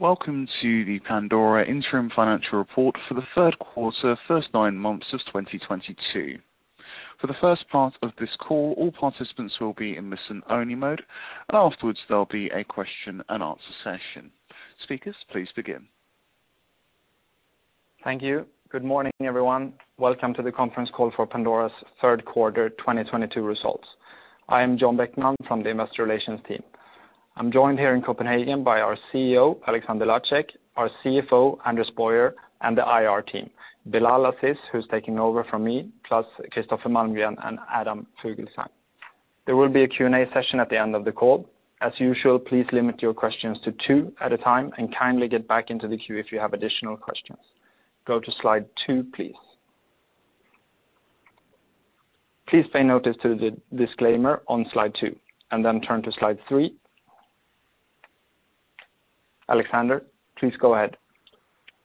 Welcome to the Pandora interim financial report for the third quarter, first nine months of 2022. For the first part of this call, all participants will be in listen-only mode, afterwards there will be a question and answer session. Speakers, please begin. Thank you. Good morning, everyone. Welcome to the conference call for Pandora's third quarter 2022 results. I am John Bäckman from the investor relations team. I am joined here in Copenhagen by our CEO, Alexander Lacik, our CFO, Anders Boyer, and the IR team, Bilal Aziz, who is taking over from me, plus Kristoffer Malmgren and Adam Fuglsang. There will be a Q&A session at the end of the call. As usual, please limit your questions to two at a time and kindly get back into the queue if you have additional questions. Go to slide two, please. Please pay notice to the disclaimer on slide two, turn to slide three. Alexander, please go ahead.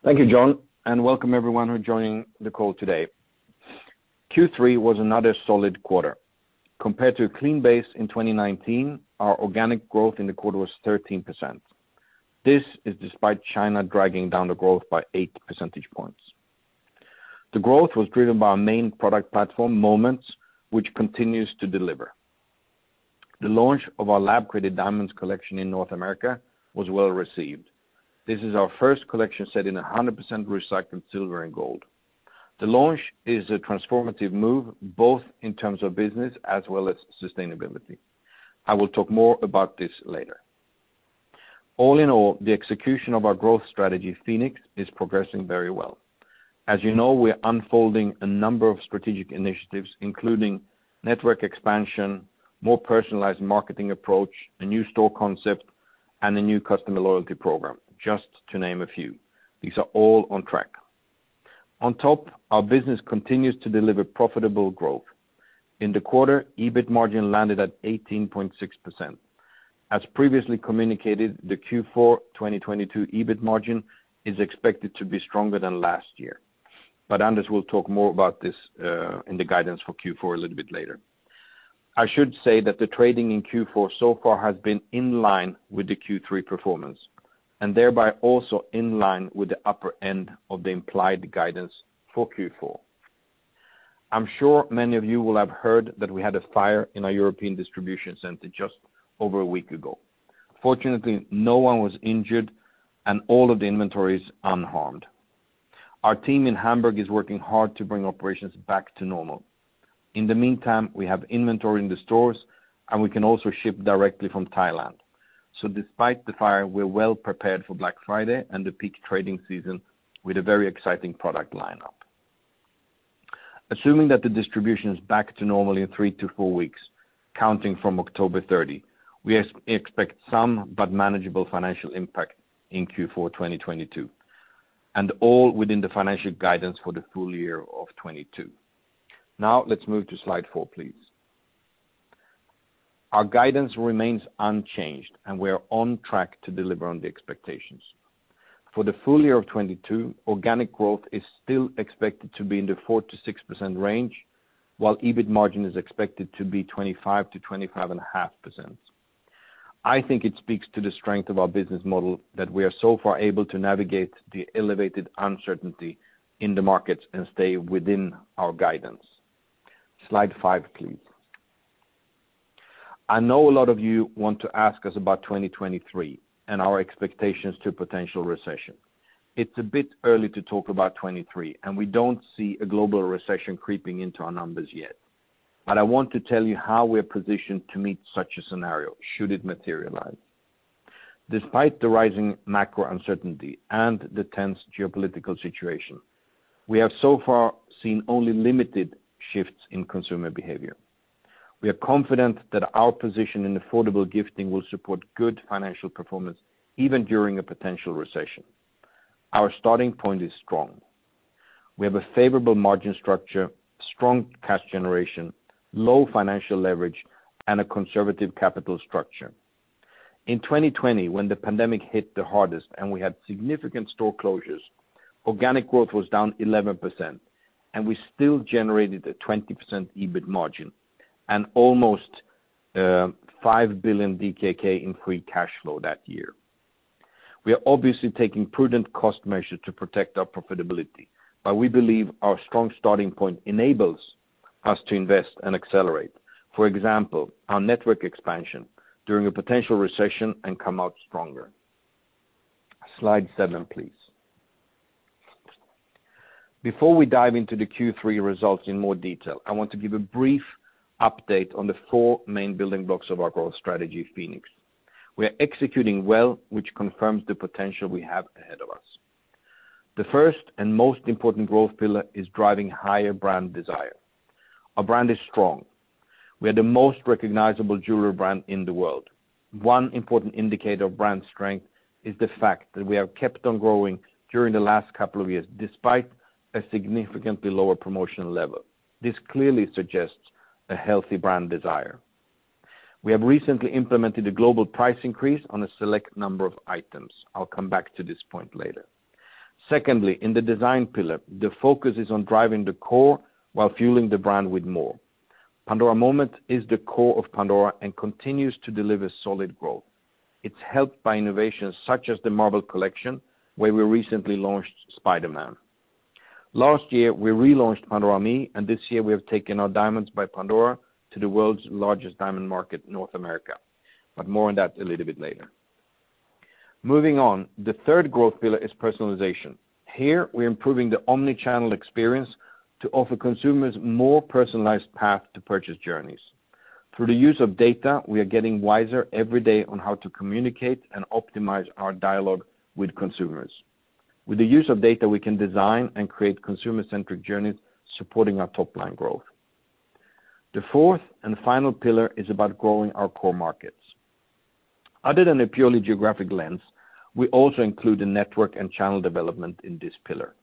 Thank you, John, welcome everyone who are joining the call today. Q3 was another solid quarter. Compared to a clean base in 2019, our organic growth in the quarter was 13%. This is despite China dragging down the growth by eight percentage points. The growth was driven by our main product platform, Moments, which continues to deliver. The launch of our lab-created diamonds collection in North America was well-received. This is our first collection set in 100% recycled silver and gold. The launch is a transformative move, both in terms of business as well as sustainability. I will talk more about this later. All in all, the execution of our growth strategy, Phoenix, is progressing very well. As you know, we are unfolding a number of strategic initiatives, including network expansion, more personalized marketing approach, a new store concept, and a new customer loyalty program, just to name a few. These are all on track. On top, our business continues to deliver profitable growth. In the quarter, EBIT margin landed at 18.6%. As previously communicated, the Q4 2022 EBIT margin is expected to be stronger than last year. Anders will talk more about this in the guidance for Q4 a little bit later. I should say that the trading in Q4 so far has been in line with the Q3 performance, thereby also in line with the upper end of the implied guidance for Q4. I am sure many of you will have heard that we had a fire in our European distribution center just over a week ago. Fortunately, no one was injured and all of the inventory is unharmed. Our team in Hamburg is working hard to bring operations back to normal. In the meantime, we have inventory in the stores, and we can also ship directly from Thailand. Despite the fire, we're well prepared for Black Friday and the peak trading season with a very exciting product lineup. Assuming that the distribution is back to normal in 3 to 4 weeks, counting from October 30, we expect some but manageable financial impact in Q4 2022, and all within the financial guidance for the full year of 2022. Let's move to slide four, please. Our guidance remains unchanged, and we are on track to deliver on the expectations. For the full year of 2022, organic growth is still expected to be in the 4%-6% range, while EBIT margin is expected to be 25%-25.5%. I think it speaks to the strength of our business model that we are so far able to navigate the elevated uncertainty in the markets and stay within our guidance. Slide five, please. I know a lot of you want to ask us about 2023 and our expectations to potential recession. It's a bit early to talk about 2023, and we don't see a global recession creeping into our numbers yet. I want to tell you how we're positioned to meet such a scenario, should it materialize. Despite the rising macro uncertainty and the tense geopolitical situation, we have so far seen only limited shifts in consumer behavior. We are confident that our position in affordable gifting will support good financial performance, even during a potential recession. Our starting point is strong. We have a favorable margin structure, strong cash generation, low financial leverage, and a conservative capital structure. In 2020, when the pandemic hit the hardest and we had significant store closures, organic growth was down 11%, and we still generated a 20% EBIT margin and almost 5 billion DKK in free cash flow that year. We are obviously taking prudent cost measures to protect our profitability, we believe our strong starting point enables us to invest and accelerate, for example, our network expansion during a potential recession and come out stronger. Slide seven, please. Before we dive into the Q3 results in more detail, I want to give a brief update on the four main building blocks of our growth strategy, Phoenix. We are executing well, which confirms the potential we have ahead of us. The first and most important growth pillar is driving higher brand desire. Our brand is strong. We are the most recognizable jewelry brand in the world. One important indicator of brand strength is the fact that we have kept on growing during the last couple of years, despite a significantly lower promotional level. This clearly suggests a healthy brand desire. We have recently implemented a global price increase on a select number of items. I'll come back to this point later. Secondly, in the design pillar, the focus is on driving the core while fueling the brand with more Pandora Moments is the core of Pandora and continues to deliver solid growth. It's helped by innovations such as the Marvel collection, where we recently launched Spider-Man. Last year, we relaunched Pandora ME. This year we have taken our Diamonds by Pandora to the world's largest diamond market, North America. More on that a little bit later. Moving on, the third growth pillar is personalization. Here, we're improving the omni-channel experience to offer consumers more personalized path to purchase journeys. Through the use of data, we are getting wiser every day on how to communicate and optimize our dialogue with consumers. With the use of data, we can design and create consumer-centric journeys supporting our top-line growth. The fourth and final pillar is about growing our core markets. Other than a purely geographic lens, we also include the network and channel development in this pillar.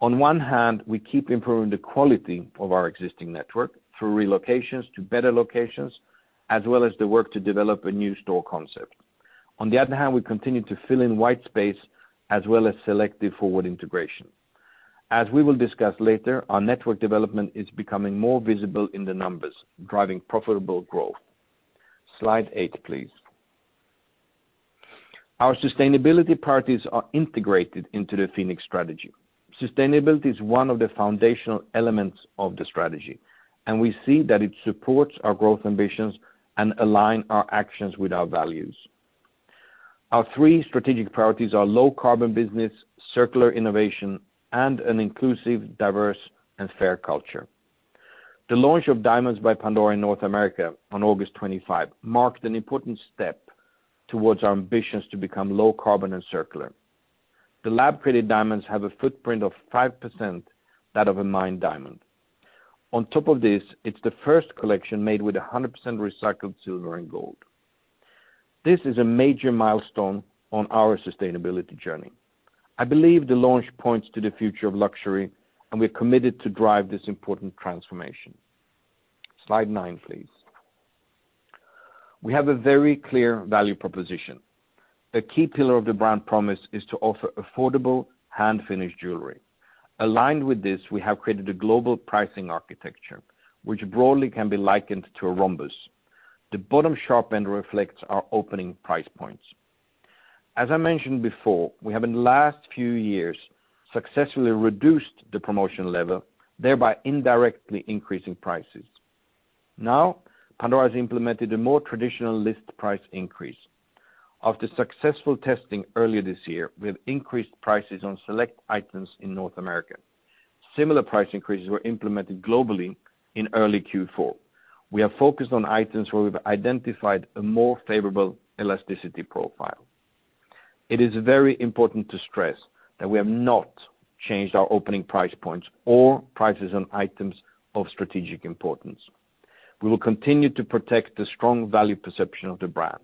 On one hand, we keep improving the quality of our existing network through relocations to better locations, as well as the work to develop a new store concept. On the other hand, we continue to fill in white space as well as selective forward integration. As we will discuss later, our network development is becoming more visible in the numbers, driving profitable growth. Slide eight, please. Our sustainability priorities are integrated into the Phoenix strategy. Sustainability is one of the foundational elements of the strategy. We see that it supports our growth ambitions and align our actions with our values. Our three strategic priorities are low carbon business, circular innovation, and an inclusive, diverse, and fair culture. The launch of Diamonds by Pandora in North America on August 25 marked an important step towards our ambitions to become low carbon and circular. The lab-created diamonds have a footprint of 5% that of a mined diamond. On top of this, it's the first collection made with 100% recycled silver and gold. This is a major milestone on our sustainability journey. I believe the launch points to the future of luxury. We're committed to drive this important transformation. Slide nine, please. We have a very clear value proposition. The key pillar of the brand promise is to offer affordable, hand-finished jewelry. Aligned with this, we have created a global pricing architecture, which broadly can be likened to a rhombus. The bottom sharp end reflects our opening price points. As I mentioned before, we have in the last few years successfully reduced the promotion level, thereby indirectly increasing prices. Pandora has implemented a more traditional list price increase. After successful testing earlier this year, we have increased prices on select items in North America. Similar price increases were implemented globally in early Q4. We are focused on items where we've identified a more favorable elasticity profile. It is very important to stress that we have not changed our opening price points or prices on items of strategic importance. We will continue to protect the strong value perception of the brand.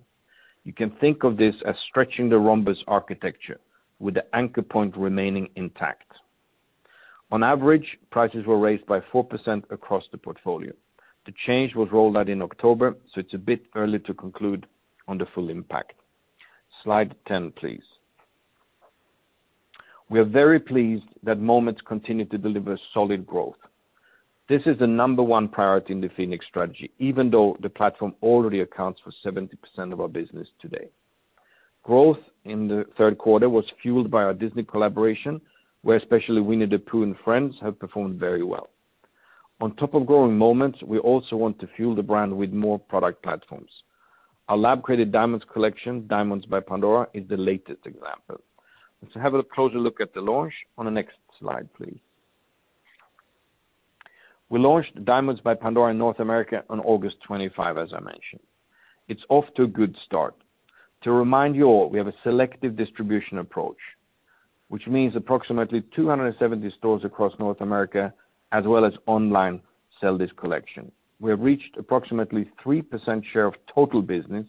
You can think of this as stretching the rhombus architecture with the anchor point remaining intact. On average, prices were raised by 4% across the portfolio. The change was rolled out in October. It's a bit early to conclude on the full impact. Slide 10, please. We are very pleased that Pandora Moments continue to deliver solid growth. This is the number one priority in the Phoenix strategy, even though the platform already accounts for 70% of our business today. Growth in the third quarter was fueled by our Disney collaboration, where especially Winnie the Pooh and Friends have performed very well. On top of growing Pandora Moments, we also want to fuel the brand with more product platforms. Our lab-created diamonds collection, Diamonds by Pandora, is the latest example. Let's have a closer look at the launch on the next slide, please. We launched Diamonds by Pandora in North America on August 25, as I mentioned. It's off to a good start. To remind you all, we have a selective distribution approach, which means approximately 270 stores across North America, as well as online, sell this collection. We have reached approximately 3% share of total business,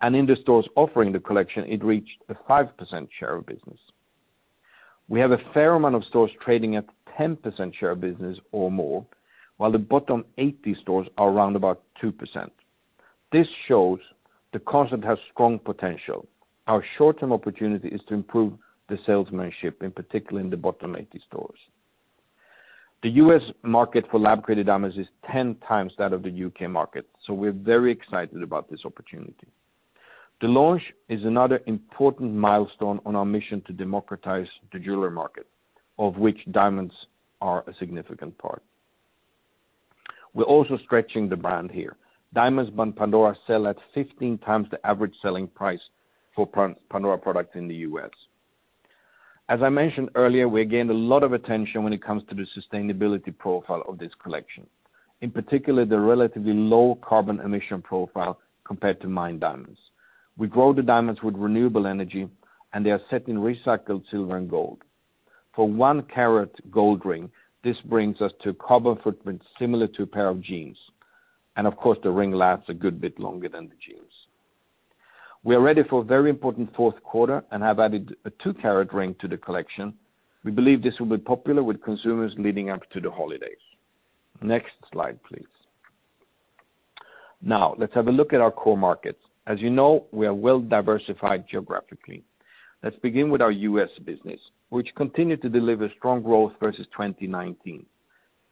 and in the stores offering the collection, it reached a 5% share of business. We have a fair amount of stores trading at 10% share of business or more, while the bottom 80 stores are around about 2%. This shows the concept has strong potential. Our short-term opportunity is to improve the salesmanship, in particular in the bottom 80 stores. The U.S. market for lab-created diamonds is 10 times that of the U.K. market. The launch is another important milestone on our mission to democratize the jeweler market, of which diamonds are a significant part. We're also stretching the brand here. Diamonds by Pandora sell at 15 times the average selling price for Pandora products in the U.S. As I mentioned earlier, we gained a lot of attention when it comes to the sustainability profile of this collection, in particular, the relatively low carbon emission profile compared to mined diamonds. We grow the diamonds with renewable energy, and they are set in recycled silver and gold. For one carat gold ring, this brings us to a carbon footprint similar to a pair of jeans, and of course, the ring lasts a good bit longer than the jeans. We are ready for a very important fourth quarter and have added a two-carat ring to the collection. We believe this will be popular with consumers leading up to the holidays. Next slide, please. Let's have a look at our core markets. As you know, we are well diversified geographically. Let's begin with our U.S. business, which continued to deliver strong growth versus 2019.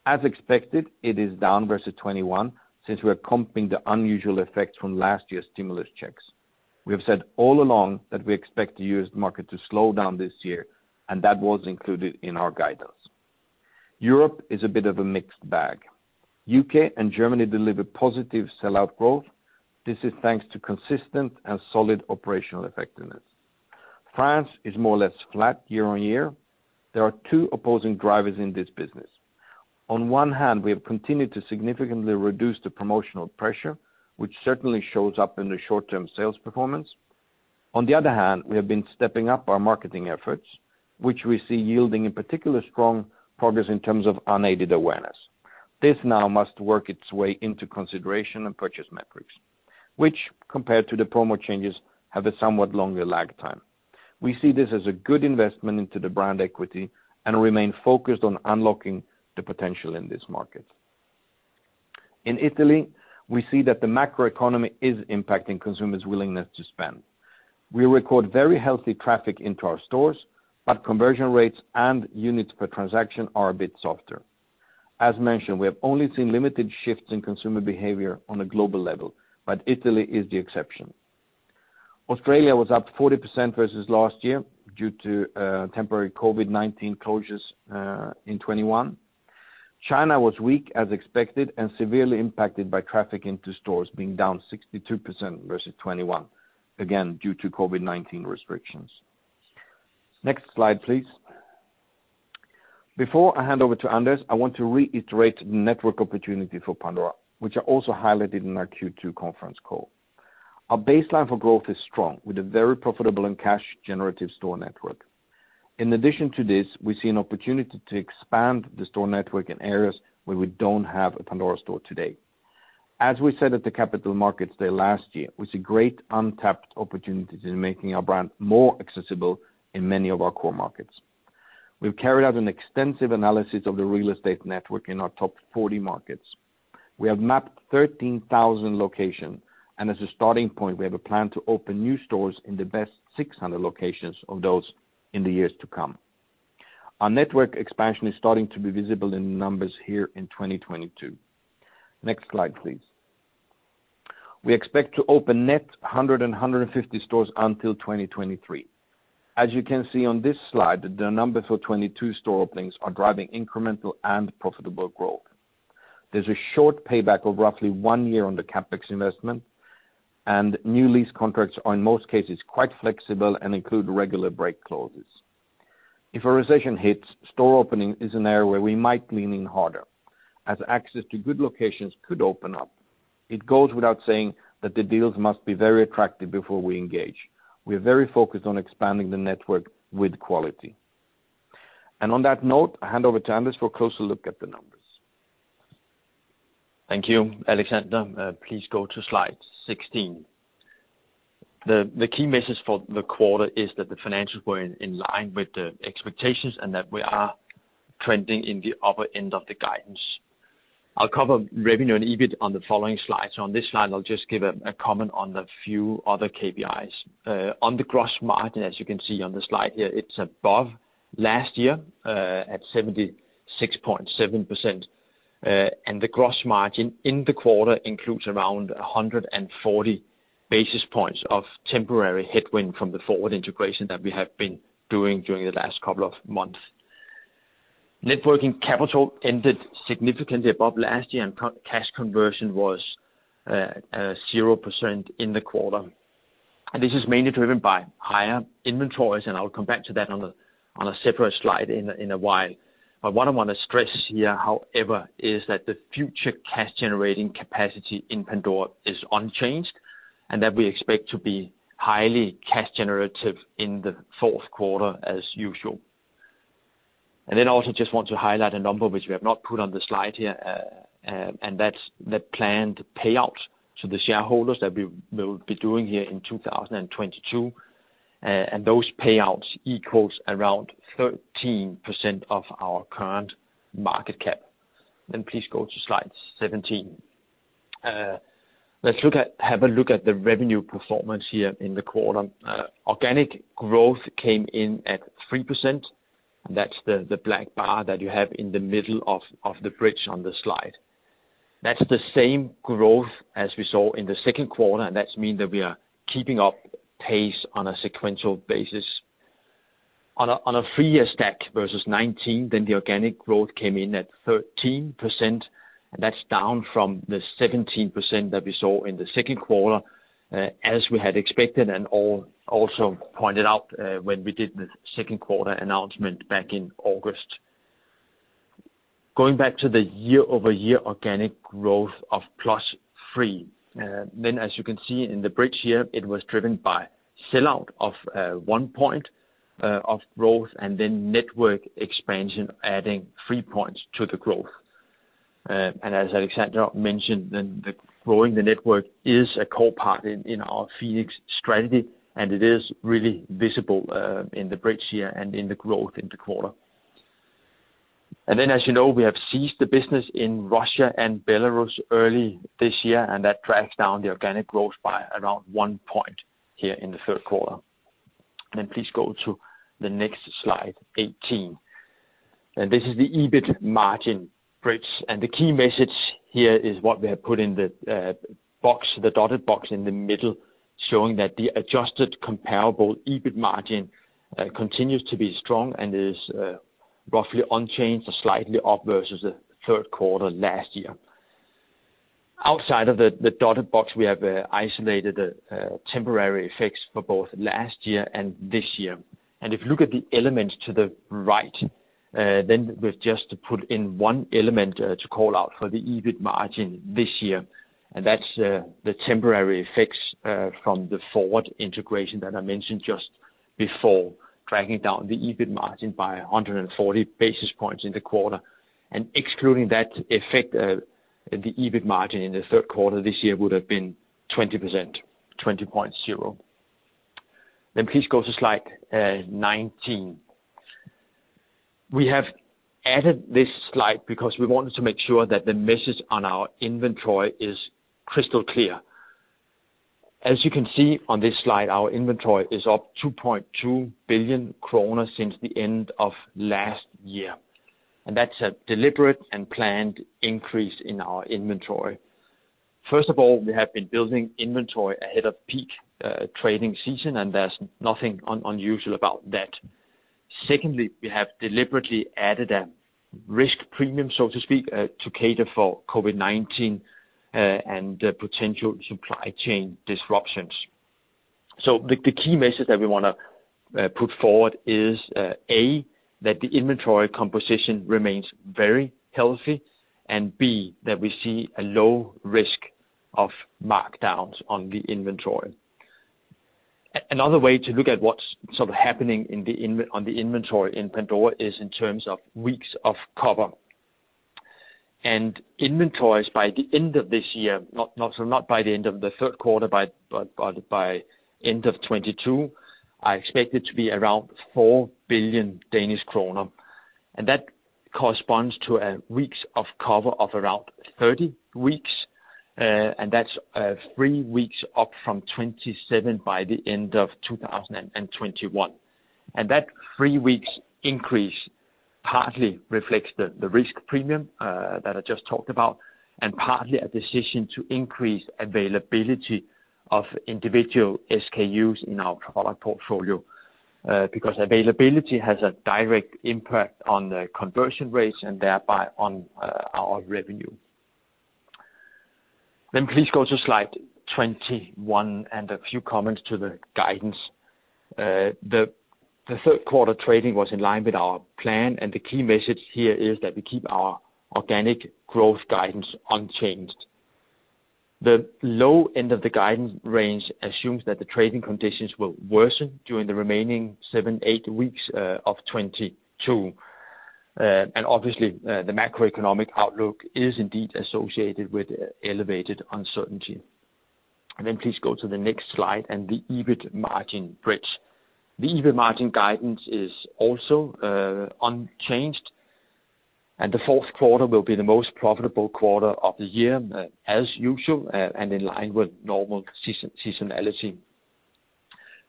As expected, it is down versus 2021 since we are comping the unusual effects from last year's stimulus checks. We have said all along that we expect the U.S. market to slow down this year, and that was included in our guidance. Europe is a bit of a mixed bag. U.K. and Germany delivered positive sell-out growth. This is thanks to consistent and solid operational effectiveness. France is more or less flat year-on-year. There are two opposing drivers in this business. On one hand, we have continued to significantly reduce the promotional pressure, which certainly shows up in the short-term sales performance. On the other hand, we have been stepping up our marketing efforts, which we see yielding in particular strong progress in terms of unaided awareness. This now must work its way into consideration and purchase metrics, which, compared to the promo changes, have a somewhat longer lag time. We see this as a good investment into the brand equity and remain focused on unlocking the potential in this market. In Italy, we see that the macroeconomy is impacting consumers' willingness to spend. We record very healthy traffic into our stores, but conversion rates and units per transaction are a bit softer. As mentioned, we have only seen limited shifts in consumer behavior on a global level, Italy is the exception. Australia was up 40% versus last year due to temporary COVID-19 closures in 2021. China was weak as expected, and severely impacted by traffic into stores being down 62% versus 2021, again, due to COVID-19 restrictions. Next slide, please. Before I hand over to Anders, I want to reiterate network opportunity for Pandora, which I also highlighted in our Q2 conference call. Our baseline for growth is strong, with a very profitable and cash-generative store network. In addition to this, we see an opportunity to expand the store network in areas where we don't have a Pandora store today. As we said at the Capital Markets Day last year, we see great untapped opportunities in making our brand more accessible in many of our core markets. We've carried out an extensive analysis of the real estate network in our top 40 markets. We have mapped 13,000 locations, and as a starting point, we have a plan to open new stores in the best 600 locations of those in the years to come. Our network expansion is starting to be visible in numbers here in 2022. Next slide, please. We expect to open net 100-150 stores until 2023. As you can see on this slide, the number for 2022 store openings are driving incremental and profitable growth. There's a short payback of roughly one year on the CapEx investment, and new lease contracts are in most cases quite flexible and include regular break clauses. If a recession hits, store opening is an area where we might lean in harder, as access to good locations could open up. It goes without saying that the deals must be very attractive before we engage. We are very focused on expanding the network with quality. On that note, I hand over to Anders for a closer look at the numbers. Thank you, Alexander. Please go to slide 16. The key message for the quarter is that the financials were in line with the expectations, and that we are trending in the upper end of the guidance. I'll cover revenue and EBIT on the following slide. On this slide, I'll just give a comment on a few other KPIs. On the gross margin, as you can see on the slide here, it's above last year, at 76.7%. The gross margin in the quarter includes around 140 basis points of temporary headwind from the forward integration that we have been doing during the last couple of months. Networking capital ended significantly above last year, and cash conversion was 0% in the quarter. This is mainly driven by higher inventories, and I will come back to that on a separate slide in a while. What I want to stress here, however, is that the future cash-generating capacity in Pandora is unchanged, and that we expect to be highly cash generative in the fourth quarter as usual. I also just want to highlight a number which we have not put on the slide here, and that's the planned payout to the shareholders that we will be doing here in 2022. Those payouts equals around 13% of our current market cap. Please go to slide 17. Let's have a look at the revenue performance here in the quarter. Organic growth came in at 3%, and that's the black bar that you have in the middle of the bridge on the slide. That's the same growth as we saw in the second quarter, and that means that we are keeping up pace on a sequential basis. On a three-year stack versus 2019, the organic growth came in at 13%, and that's down from the 17% that we saw in the second quarter, as we had expected and also pointed out when we did the second quarter announcement back in August. Going back to the year-over-year organic growth of +3, as you can see in the bridge here, it was driven by sell-out of one point of growth and then network expansion adding three points to the growth. As Alexander mentioned, growing the network is a core part in our Phoenix strategy, and it is really visible in the bridge here and in the growth in the quarter. As you know, we have ceased the business in Russia and Belarus early this year, and that drags down the organic growth by around one point here in the third quarter. Please go to the next slide, 18. This is the EBIT margin bridge. The key message here is what we have put in the dotted box in the middle, showing that the adjusted comparable EBIT margin continues to be strong and is roughly unchanged or slightly up versus the third quarter last year. Outside of the dotted box, we have isolated temporary effects for both last year and this year. If you look at the elements to the right, we've just put in one element to call out for the EBIT margin this year. That's the temporary effects from the forward integration that I mentioned just before, dragging down the EBIT margin by 140 basis points in the quarter. Excluding that effect, the EBIT margin in the third quarter this year would have been 20%. 20.0%. Please go to slide 19. We have added this slide because we wanted to make sure that the message on our inventory is crystal clear. As you can see on this slide, our inventory is up 2.2 billion kroner since the end of last year. That's a deliberate and planned increase in our inventory. First of all, we have been building inventory ahead of peak trading season, and there's nothing unusual about that. Secondly, we have deliberately added a risk premium, so to speak, to cater for COVID-19 and potential supply chain disruptions. The key message that we want to put forward is, A, that the inventory composition remains very healthy, and B, that we see a low risk of markdowns on the inventory. Another way to look at what's happening on the inventory in Pandora is in terms of weeks of cover. Inventories by the end of this year, so not by the end of the third quarter, but by end of 2022, are expected to be around 4 billion Danish kroner. That corresponds to weeks of cover of around 30 weeks, and that's three weeks up from 27 by the end of 2021. That three weeks increase partly reflects the risk premium that I just talked about, and partly a decision to increase availability of individual SKUs in our product portfolio, because availability has a direct impact on the conversion rates and thereby on our revenue. Please go to slide 21 and a few comments to the guidance. The third quarter trading was in line with our plan, the key message here is that we keep our organic growth guidance unchanged. The low end of the guidance range assumes that the trading conditions will worsen during the remaining seven, eight weeks of 2022. Obviously, the macroeconomic outlook is indeed associated with elevated uncertainty. Please go to the next slide and the EBIT margin bridge. The EBIT margin guidance is also unchanged, the fourth quarter will be the most profitable quarter of the year as usual and in line with normal seasonality.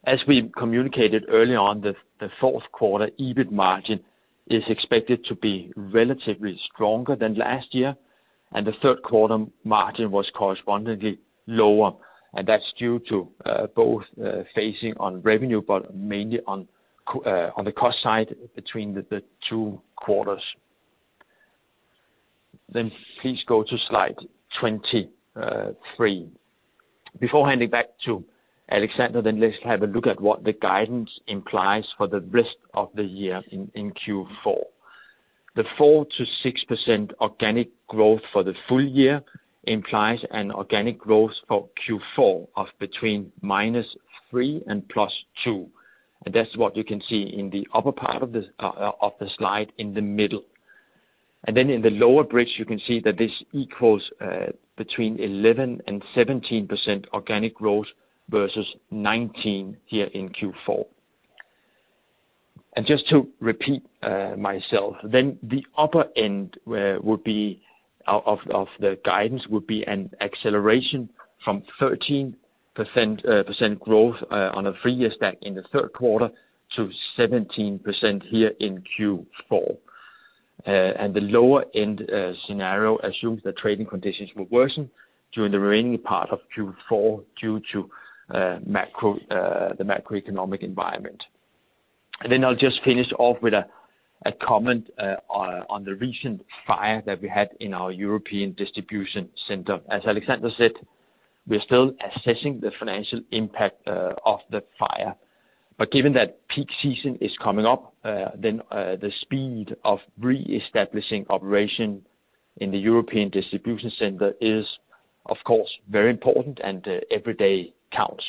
As we communicated early on, the fourth quarter EBIT margin is expected to be relatively stronger than last year, the third quarter margin was correspondingly lower, and that's due to both phasing on revenue, but mainly on the cost side between the two quarters. Please go to slide 23. Before handing back to Alexander, let's have a look at what the guidance implies for the rest of the year in Q4. The 4%-6% organic growth for the full year implies an organic growth for Q4 of between -3% and +2%. That's what you can see in the upper part of the slide in the middle. In the lower bridge, you can see that this equals between 11%-17% organic growth versus 19% here in Q4. Just to repeat myself, the upper end of the guidance would be an acceleration from 13% growth on a three-year stack in the third quarter to 17% here in Q4. The lower-end scenario assumes that trading conditions will worsen during the remaining part of Q4 due to the macroeconomic environment. I'll just finish off with a comment on the recent fire that we had in our European distribution center. As Alexander said, we are still assessing the financial impact of the fire. Given that peak season is coming up, the speed of reestablishing operation in the European distribution center is, of course, very important and every day counts.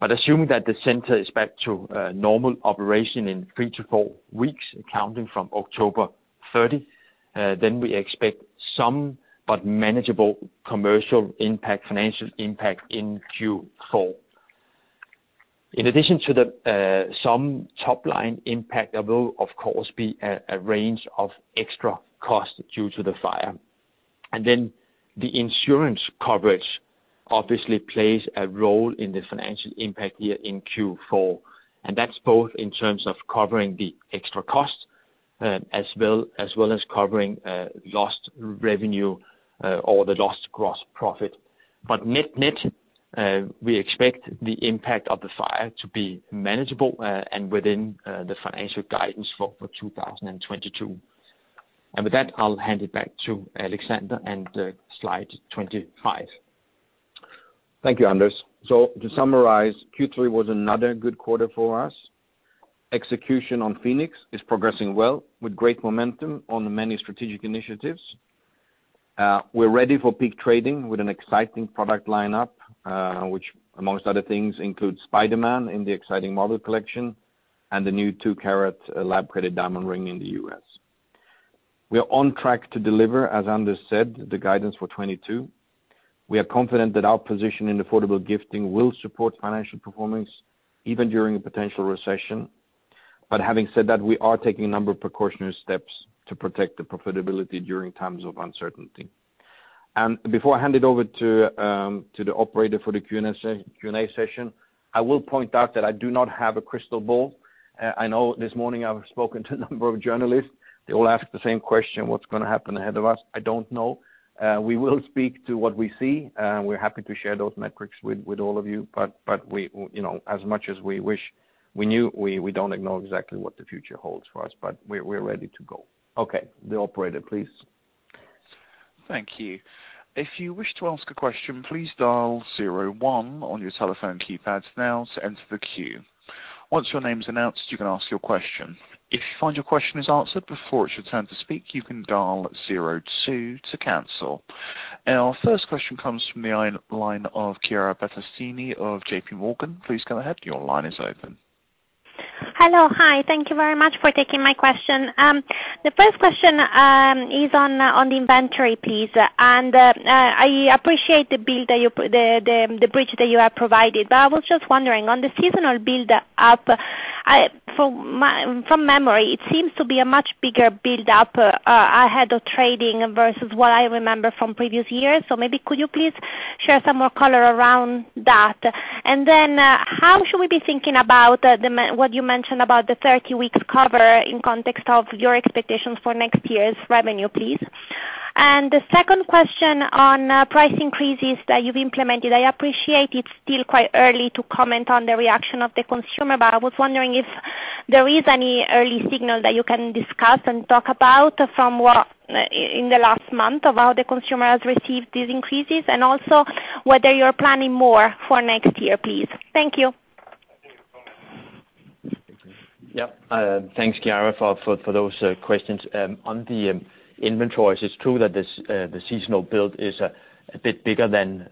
Assuming that the center is back to normal operation in three to four weeks, counting from October 30, we expect some, but manageable commercial impact, financial impact in Q4. In addition to some top-line impact, there will of course be a range of extra costs due to the fire. The insurance coverage obviously plays a role in the financial impact here in Q4, and that's both in terms of covering the extra costs, as well as covering lost revenue or the lost gross profit. Net-net, we expect the impact of the fire to be manageable and within the financial guidance for 2022. With that, I'll hand it back to Alexander and slide 25. Thank you, Anders. To summarize, Q3 was another good quarter for us. Execution on Phoenix is progressing well, with great momentum on the many strategic initiatives. We are ready for peak trading with an exciting product line up, which amongst other things includes Spider-Man in the exciting Marvel collection and the new 2 carat lab-created diamond ring in the U.S. We are on track to deliver, as Anders said, the guidance for 2022. We are confident that our position in affordable gifting will support financial performance even during a potential recession. Having said that, we are taking a number of precautionary steps to protect the profitability during times of uncertainty. Before I hand it over to the operator for the Q&A session, I will point out that I do not have a crystal ball. I know this morning I have spoken to a number of journalists. They all ask the same question, what is going to happen ahead of us? I don't know. We will speak to what we see, and we are happy to share those metrics with all of you. As much as we wish we knew, we don't know exactly what the future holds for us, but we are ready to go. Okay. The operator, please. Thank you. If you wish to ask a question, please dial 01 on your telephone keypads now to enter the queue. Once your name is announced, you can ask your question. If you find your question is answered before it is your turn to speak, you can dial 02 to cancel. Our first question comes from the line of Chiara Battistini of JP Morgan. Please go ahead. Your line is open. Hello. Hi. Thank you very much for taking my question. The first question is on the inventory, please. I appreciate the bridge that you have provided. I was just wondering on the seasonal build up, from memory, it seems to be a much bigger build up ahead of trading versus what I remember from previous years. Maybe could you please share some more color around that? Then how should we be thinking about what you mentioned about the 30 weeks cover in context of your expectations for next year's revenue, please? The second question on price increases that you have implemented. I appreciate it's still quite early to comment on the reaction of the consumer, but I was wondering if there is any early signal that you can discuss and talk about from in the last month of how the consumer has received these increases, and also whether you're planning more for next year, please. Thank you. Thanks, Chiara, for those questions. On the inventories, it's true that the seasonal build is a bit bigger than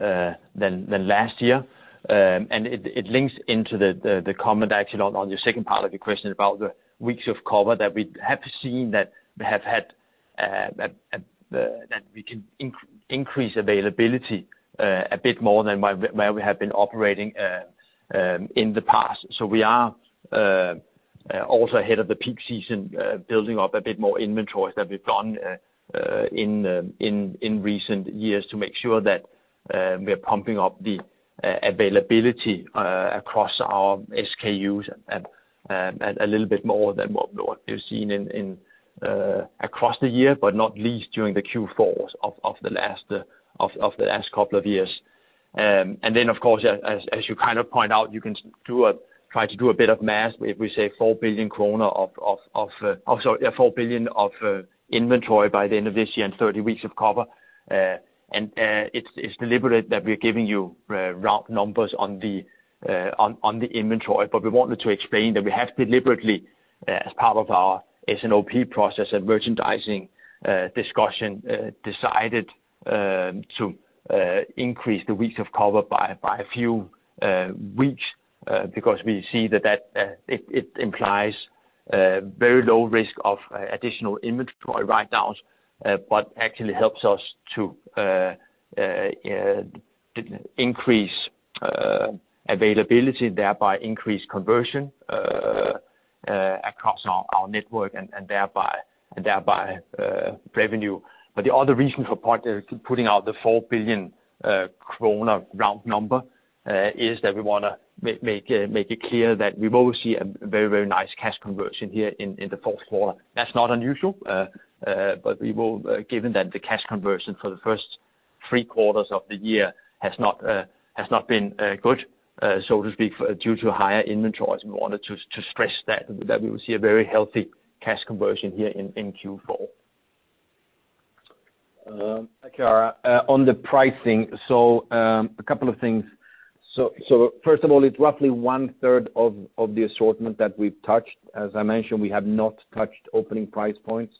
last year. It links into the comment actually on your second part of your question about the weeks of cover that we have seen that we can increase availability a bit more than where we have been operating in the past. We are also ahead of the peak season, building up a bit more inventories than we've done in recent years to make sure that we are pumping up the availability across our SKUs, and a little bit more than what we've seen across the year, but not least during the Q4s of the last couple of years. Then, of course, as you kind of point out, you can try to do a bit of math if we say 4 billion of inventory by the end of this year and 30 weeks of cover. It's deliberate that we're giving you round numbers on the inventory, but we wanted to explain that we have deliberately, as part of our S&OP process and merchandising discussion, decided to increase the weeks of cover by a few weeks because we see that it implies very low risk of additional inventory write downs, but actually helps us to increase availability, thereby increase conversion across our network, and thereby revenue. The other reason for putting out the 4 billion kroner round number is that we want to make it clear that we will see a very nice cash conversion here in the fourth quarter. That's not unusual. Given that the cash conversion for the first three quarters of the year has not been good, so to speak, due to higher inventories, we wanted to stress that we will see a very healthy cash conversion here in Q4. Chiara, on the pricing, a couple of things. First of all, it's roughly one third of the assortment that we've touched. As I mentioned, we have not touched opening price points.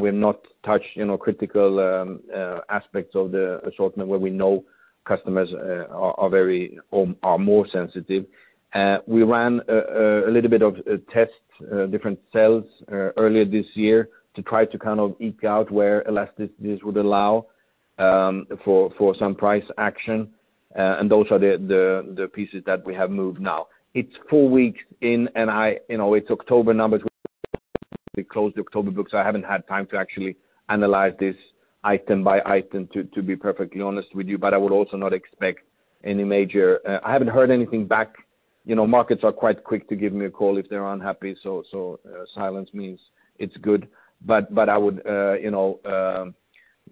We have not touched critical aspects of the assortment where we know customers are more sensitive. We ran a little bit of tests, different sales earlier this year to try to kind of eke out where elasticities would allow for some price action, and those are the pieces that we have moved now. It's four weeks in, and it's October numbers we closed October books, so I haven't had time to actually analyze this item by item, to be perfectly honest with you. I would also not expect any major. I haven't heard anything back. Markets are quite quick to give me a call if they're unhappy. Silence means it's good. I would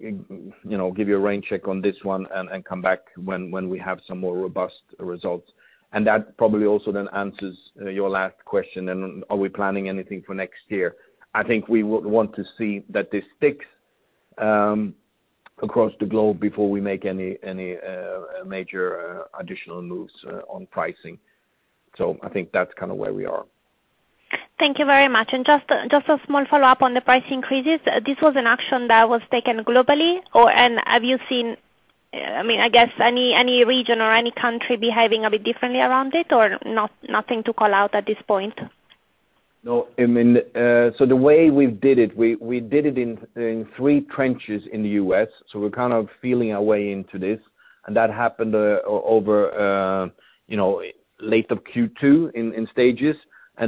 give you a rain check on this one and come back when we have some more robust results. That probably also then answers your last question, are we planning anything for next year? I think we would want to see that this sticks across the globe before we make any major additional moves on pricing. I think that's kind of where we are. Thank you very much. Just a small follow-up on the price increases. This was an action that was taken globally, have you seen, I guess any region or any country behaving a bit differently around it or nothing to call out at this point? No, the way we did it, we did it in three trenches in the U.S., we're kind of feeling our way into this. That happened over late of Q2 in stages.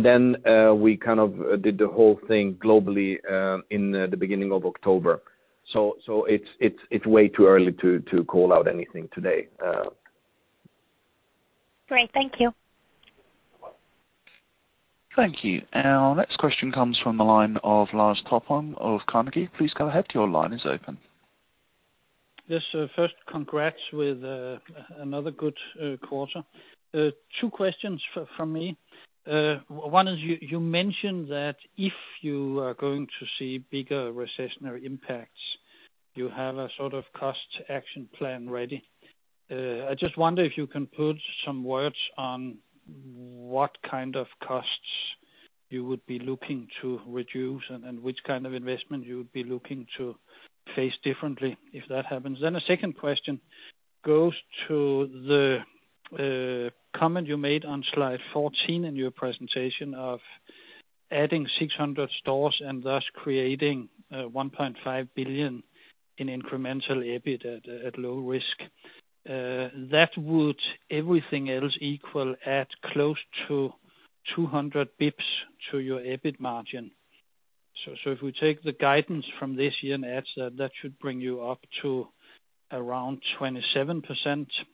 Then we kind of did the whole thing globally in the beginning of October. It's way too early to call out anything today. Great. Thank you. Thank you. Our next question comes from the line of Lars Topholm of Carnegie. Please go ahead. Your line is open. First congrats with another good quarter. Two questions from me. One is, you mentioned that if you are going to see bigger recessionary impacts, you have a sort of cost action plan ready. I just wonder if you can put some words on what kind of costs you would be looking to reduce and which kind of investment you would be looking to face differently if that happens. The second question goes to the comment you made on slide 14 in your presentation of adding 600 stores and thus creating 1.5 billion in incremental EBIT at low risk. That would, everything else equal, add close to 200 bps to your EBIT margin. If we take the guidance from this year and add to that should bring you up to around 27%.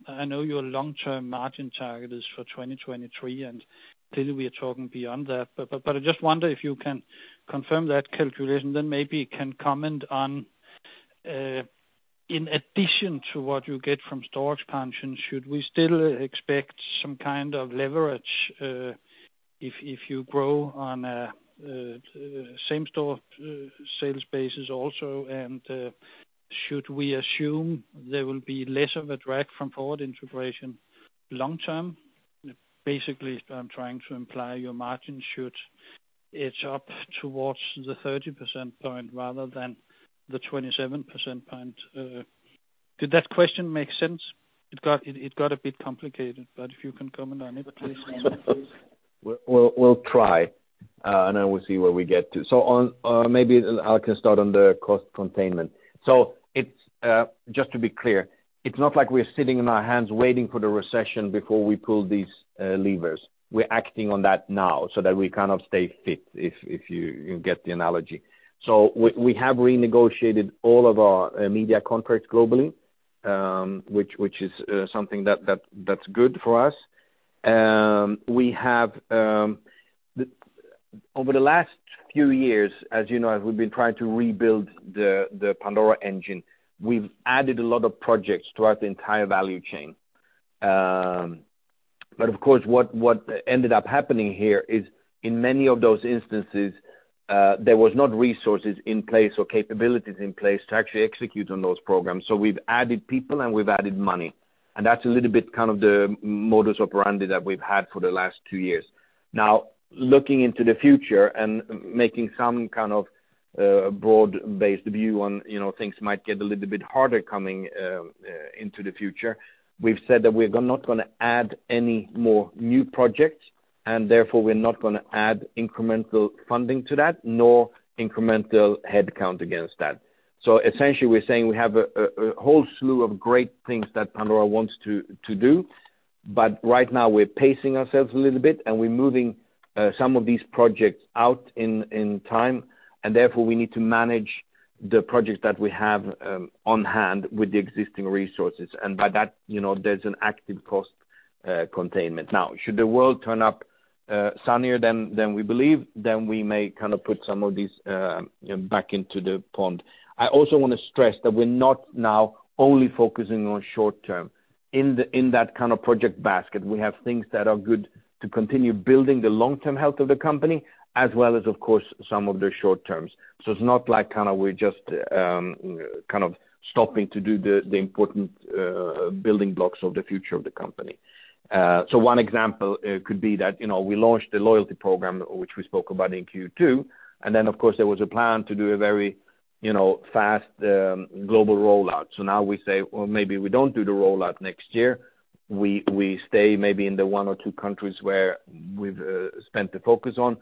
I know your long-term margin target is for 2023, and clearly we are talking beyond that. I just wonder if you can confirm that calculation, then maybe you can comment on, in addition to what you get from store expansions, should we still expect some kind of leverage if you grow on a same-store sales basis also? Should we assume there will be less of a drag from forward integration long term? Basically, I'm trying to imply your margin should edge up towards the 30% point rather than the 27% point. Did that question make sense? It got a bit complicated, but if you can comment on it, please. We'll try, and then we'll see where we get to. Maybe I can start on the cost containment. Just to be clear, it's not like we're sitting on our hands waiting for the recession before we pull these levers. We're acting on that now so that we kind of stay fit, if you get the analogy. We have renegotiated all of our media contracts globally, which is something that's good for us. Over the last few years, as you know, as we've been trying to rebuild the Pandora engine, we've added a lot of projects throughout the entire value chain. Of course, what ended up happening here is in many of those instances, there was not resources in place or capabilities in place to actually execute on those programs. We've added people and we've added money. That's a little bit kind of the modus operandi that we've had for the last two years. Looking into the future and making some kind of broad-based view on things might get a little bit harder coming into the future. We've said that we're not going to add any more new projects, therefore we're not going to add incremental funding to that, nor incremental headcount against that. Essentially we're saying we have a whole slew of great things that Pandora wants to do, right now we're pacing ourselves a little bit, and we're moving some of these projects out in time, therefore we need to manage the projects that we have on hand with the existing resources. By that, there's an active cost containment. Should the world turn up sunnier than we believe, we may kind of put some of these back into the pond. I also want to stress that we're not now only focusing on short-term. In that kind of project basket, we have things that are good to continue building the long-term health of the company, as well as, of course, some of the short terms. It's not like kind of we're just kind of stopping to do the important building blocks of the future of the company. One example could be that we launched a loyalty program, which we spoke about in Q2. Of course, there was a plan to do a very fast global rollout. Now we say, "Well, maybe we don't do the rollout next year." We stay maybe in the one or two countries where we've spent the focus on.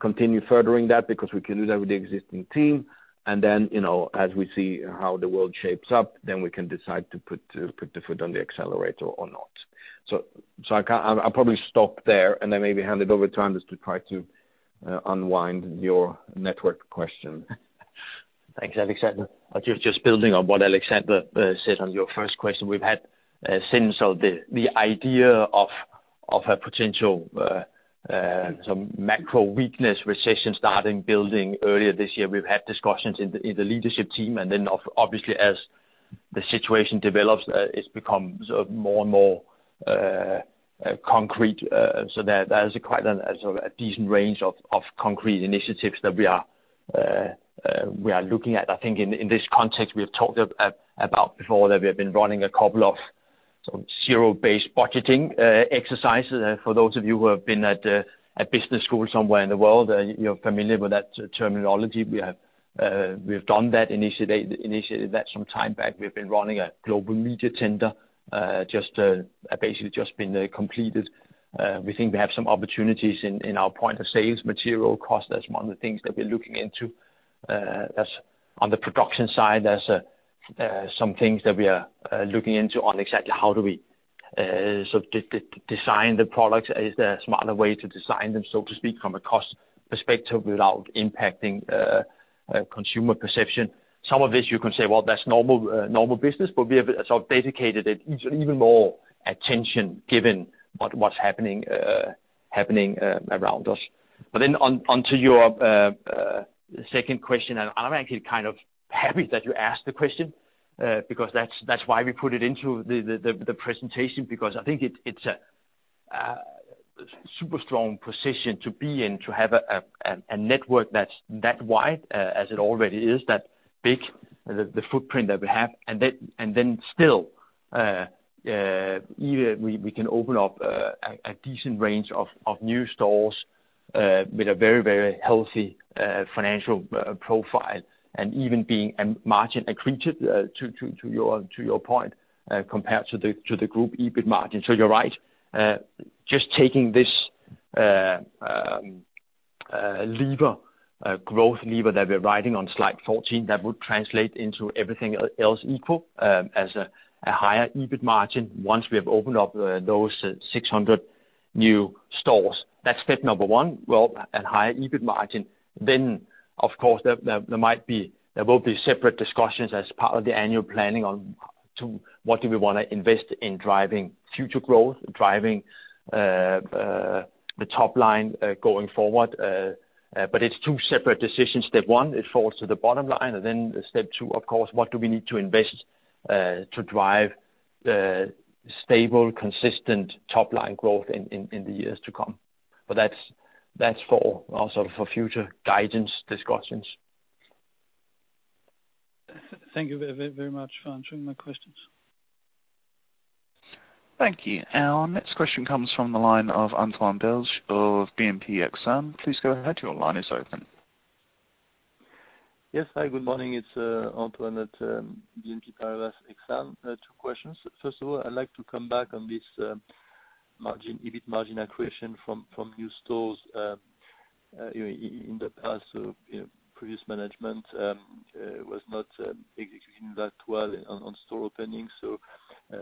Continue furthering that because we can do that with the existing team. As we see how the world shapes up, we can decide to put the foot on the accelerator or not. I'll probably stop there and then maybe hand it over to Anders to try to unwind your network question. Thanks, Alexander. Just building on what Alexander said on your first question. We've had, since the idea of a potential macro weakness recession starting building earlier this year, we've had discussions in the leadership team. Obviously as the situation develops, it becomes more and more concrete. There's quite a decent range of concrete initiatives that we are looking at. I think in this context, we have talked about before that we have been running a couple of zero-based budgeting exercises. For those of you who have been at business school somewhere in the world, you're familiar with that terminology. We've done that, initiated that some time back. We've been running a global media tender, basically just been completed. We think we have some opportunities in our point of sales material cost. That's one of the things that we're looking into. On the production side, there's some things that we are looking into on exactly how do we design the products. Is there a smarter way to design them, so to speak, from a cost perspective without impacting consumer perception? Some of this you can say, well, that's normal business, but we have dedicated it even more attention given what's happening around us. On to your second question, and I'm actually kind of happy that you asked the question, because that's why we put it into the presentation, because I think it's a super strong position to be in to have a network that's that wide, as it already is, that big, the footprint that we have. Still, we can open up a decent range of new stores with a very healthy financial profile, and even being margin accretive to your point, compared to the group EBIT margin. You're right. Just taking this growth lever that we're riding on slide 14, that would translate into everything else equal, as a higher EBIT margin once we have opened up those 600 new stores. That's step number one. Well, at higher EBIT margin, of course, there will be separate discussions as part of the annual planning on to what do we want to invest in driving future growth, driving the top line going forward. It's two separate decisions. Step one, it falls to the bottom line. Step two, of course, what do we need to invest to drive stable, consistent top-line growth in the years to come? That's for our future guidance discussions. Thank you very much for answering my questions. Thank you. Our next question comes from the line of Antoine Belge of BNP Exane. Please go ahead. Your line is open. Yes. Hi, good morning. It's Antoine at BNP Paribas Exane. Two questions. I'd like to come back on this EBIT margin accretion from new stores. In the past, previous management was not executing that well on store openings.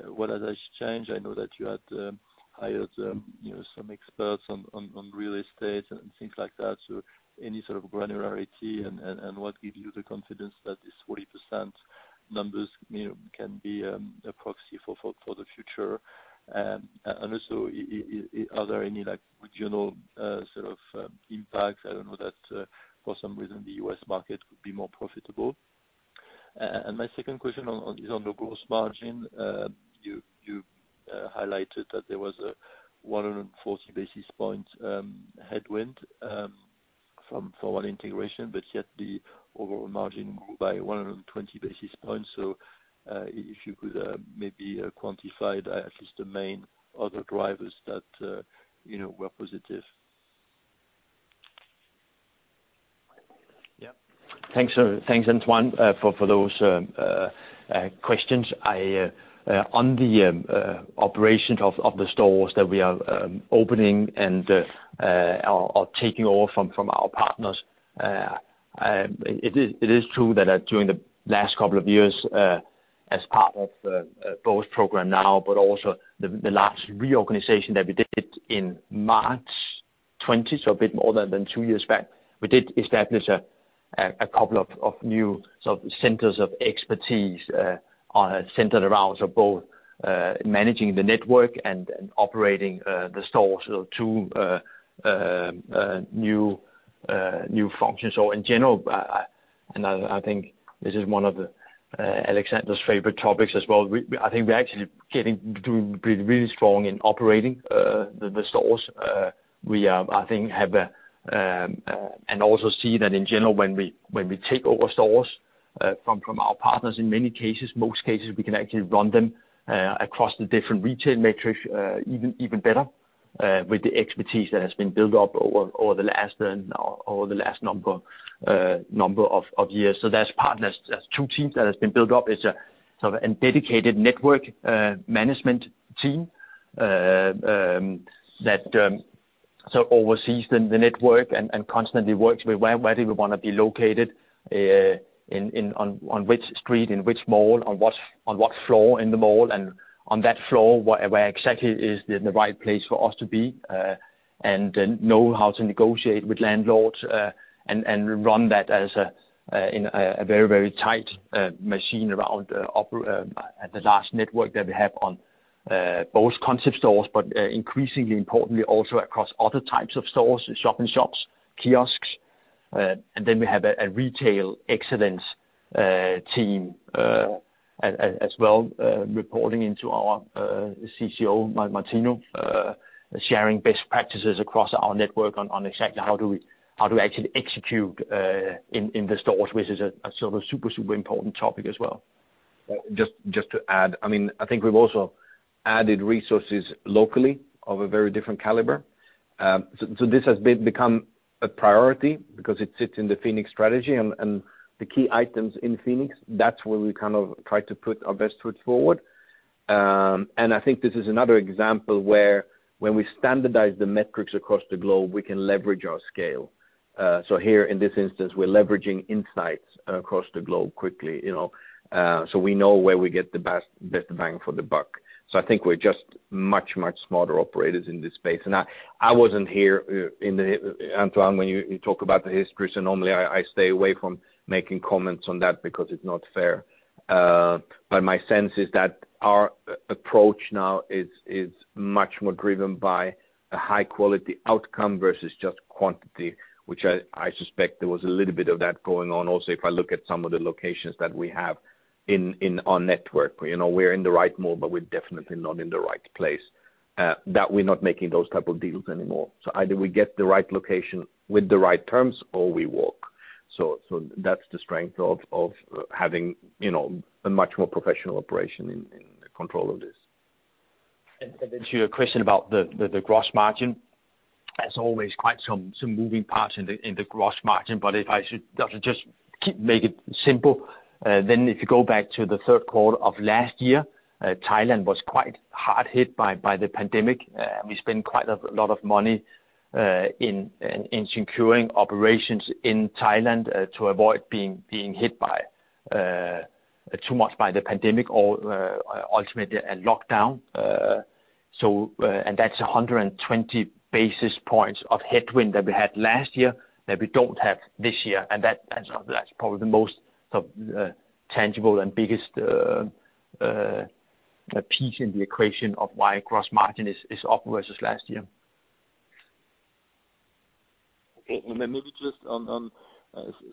What has changed? I know that you had hired some experts on real estate and things like that. Any sort of granularity and what gives you the confidence that this 40% numbers can be a proxy for the future? Also, are there any regional sort of impacts? I don't know that for some reason the U.S. market could be more profitable. My second question is on the gross margin. You highlighted that there was a 140 basis points headwind from forward integration, yet the overall margin grew by 120 basis points. If you could maybe quantify at least the main other drivers that were positive. Yeah. Thanks, Antoine, for those questions. On the operations of the stores that we are opening and are taking over from our partners, it is true that during the last couple of years, as part of both Programme NOW, but also the last reorganization that we did in March 2020, a bit more than two years back, we did establish a couple of new centers of expertise centered around both managing the network and operating the stores. Two new functions. In general, I think this is one of Alexander's favorite topics as well. I think we're actually getting really strong in operating the stores. We, I think, see that in general, when we take over stores from our partners, in many cases, most cases, we can actually run them across the different retail metrics, even better, with the expertise that has been built up over the last number of years. That's two teams that has been built up. It's a dedicated network management team that oversees the network and constantly works with where do we want to be located, on which street, in which mall, on what floor in the mall, and on that floor, where exactly is the right place for us to be, and know how to negotiate with landlords, and run that as in a very tight machine around the large network that we have on both concept stores, but increasingly importantly, also across other types of stores, shop-in-shops, kiosks. We have a retail excellence team as well, reporting into our CCO, Martino, sharing best practices across our network on exactly how do we actually execute in the stores, which is a super important topic as well. Just to add, I think we've also added resources locally of a very different caliber. This has become a priority because it sits in the Phoenix strategy and the key items in Phoenix, that's where we kind of try to put our best foot forward. I think this is another example where when we standardize the metrics across the globe, we can leverage our scale. Here in this instance, we're leveraging insights across the globe quickly so we know where we get the best bang for the buck. I think we're just much smarter operators in this space. I wasn't here, Antoine, when you talk about the history, so normally I stay away from making comments on that because it's not fair. My sense is that our approach now is much more driven by a high-quality outcome versus just quantity, which I suspect there was a little bit of that going on also, if I look at some of the locations that we have in our network. We're in the right mall, but we're definitely not in the right place. That we're not making those type of deals anymore. Either we get the right location with the right terms, or we walk. That's the strength of having a much more professional operation in control of this. Then to your question about the gross margin, as always, quite some moving parts in the gross margin. If I should just make it simple, then if you go back to the third quarter of last year, Thailand was quite hard hit by the pandemic. We spent quite a lot of money in securing operations in Thailand to avoid being hit too much by the pandemic or ultimately a lockdown. That's 120 basis points of headwind that we had last year that we don't have this year. That's probably the most tangible and biggest piece in the equation of why gross margin is up versus last year. Then maybe just on,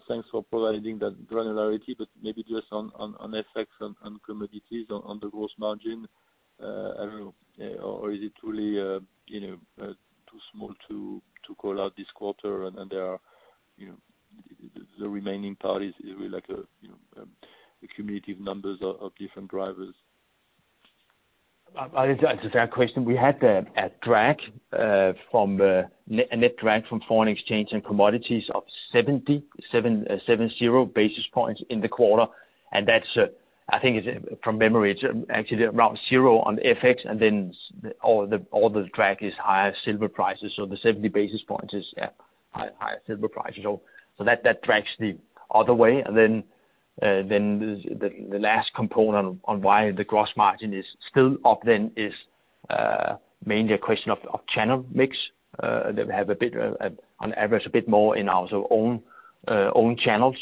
thanks for providing that granularity, but maybe just on FX and commodities on the gross margin. I don't know, is it truly too small to call out this quarter and the remaining part is really like a cumulative numbers of different drivers? That's a fair question. We had a net drag from foreign exchange and commodities of 70, seven-zero basis points in the quarter. That's, I think from memory, it's actually around zero on FX, and then all the drag is higher silver prices. The 70 basis points is higher silver prices. That drags the other way. The last component on why the gross margin is still up then is mainly a question of channel mix. That we have on average, a bit more in our own channels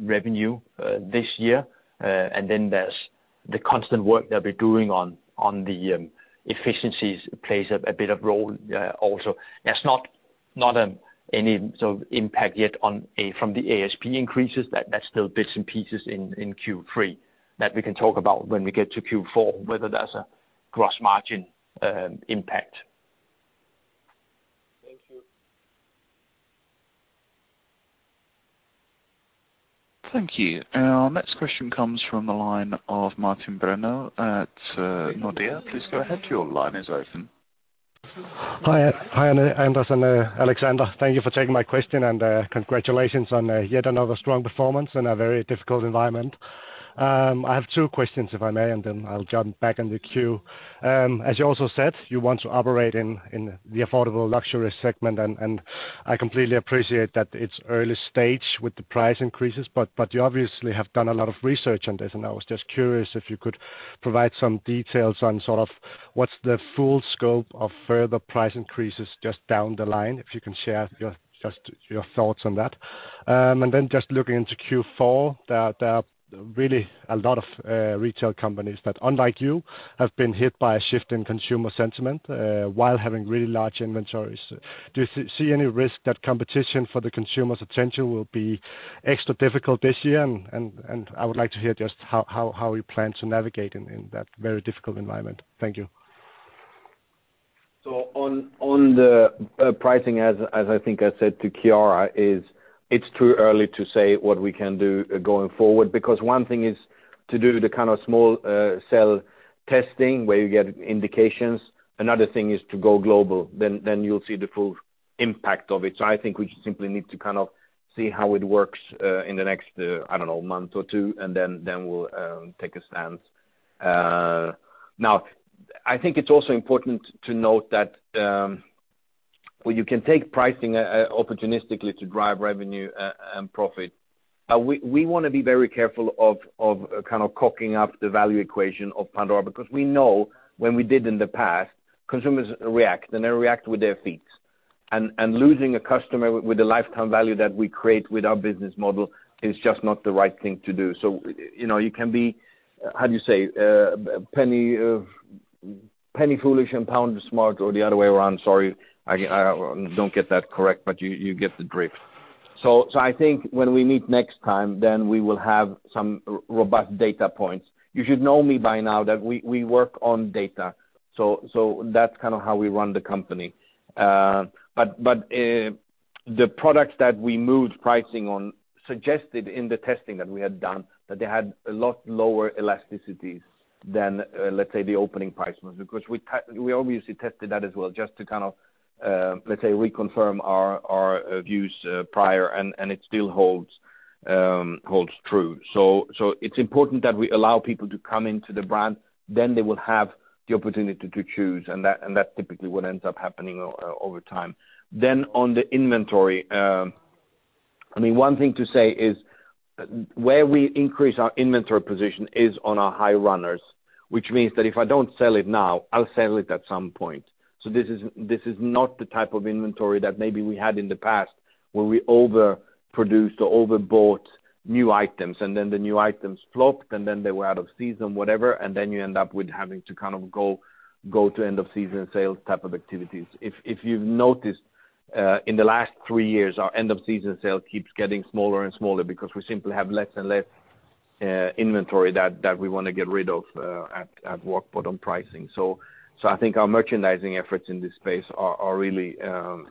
revenue this year. There's the constant work that we're doing on the efficiencies plays a bit of role also. That's not any sort of impact yet from the ASP increases, that's still bits and pieces in Q3 that we can talk about when we get to Q4, whether that's a gross margin impact. Thank you. Thank you. Our next question comes from the line of Martin Brenøe at Nordea. Please go ahead. Your line is open. Hi, Anders and Alexander. Thank you for taking my question, and congratulations on yet another strong performance in a very difficult environment. I have two questions, if I may, then I'll jump back in the queue. As you also said, you want to operate in the affordable luxury segment, and I completely appreciate that it's early stage with the price increases, but you obviously have done a lot of research on this, and I was just curious if you could provide some details on sort of what's the full scope of further price increases just down the line, if you can share just your thoughts on that. Then just looking into Q4, there are really a lot of retail companies that, unlike you, have been hit by a shift in consumer sentiment while having really large inventories. Do you see any risk that competition for the consumer's attention will be extra difficult this year? I would like to hear just how you plan to navigate in that very difficult environment. Thank you. On the pricing, as I think I said to Chiara, it's too early to say what we can do going forward, because one thing is to do the kind of small cell testing where you get indications, another thing is to go global, then you'll see the full impact of it. I think we simply need to see how it works in the next, I don't know, month or two, and then we'll take a stance. I think it's also important to note that while you can take pricing opportunistically to drive revenue and profit, we want to be very careful of cocking up the value equation of Pandora because we know when we did in the past, consumers react, and they react with their feet. Losing a customer with the lifetime value that we create with our business model is just not the right thing to do. You can be, how do you say? A penny foolish and pound smart, or the other way around. Sorry, I don't get that correct, but you get the drift. I think when we meet next time, we will have some robust data points. You should know me by now that we work on data. That's how we run the company. The products that we moved pricing on suggested in the testing that we had done, that they had a lot lower elasticities than, let's say, the opening price was. Because we obviously tested that as well, just to kind of, let's say, reconfirm our views prior, and it still holds true. It's important that we allow people to come into the brand, they will have the opportunity to choose, and that typically would end up happening over time. On the inventory, one thing to say is where we increase our inventory position is on our high runners, which means that if I don't sell it now, I'll sell it at some point. This is not the type of inventory that maybe we had in the past where we overproduced or over-bought new items, and then the new items flopped, and then they were out of season, whatever, and then you end up with having to go to end of season sales type of activities. If you've noticed, in the last three years, our end of season sale keeps getting smaller and smaller because we simply have less and less inventory that we want to get rid of at rock bottom pricing. I think our merchandising efforts in this space are really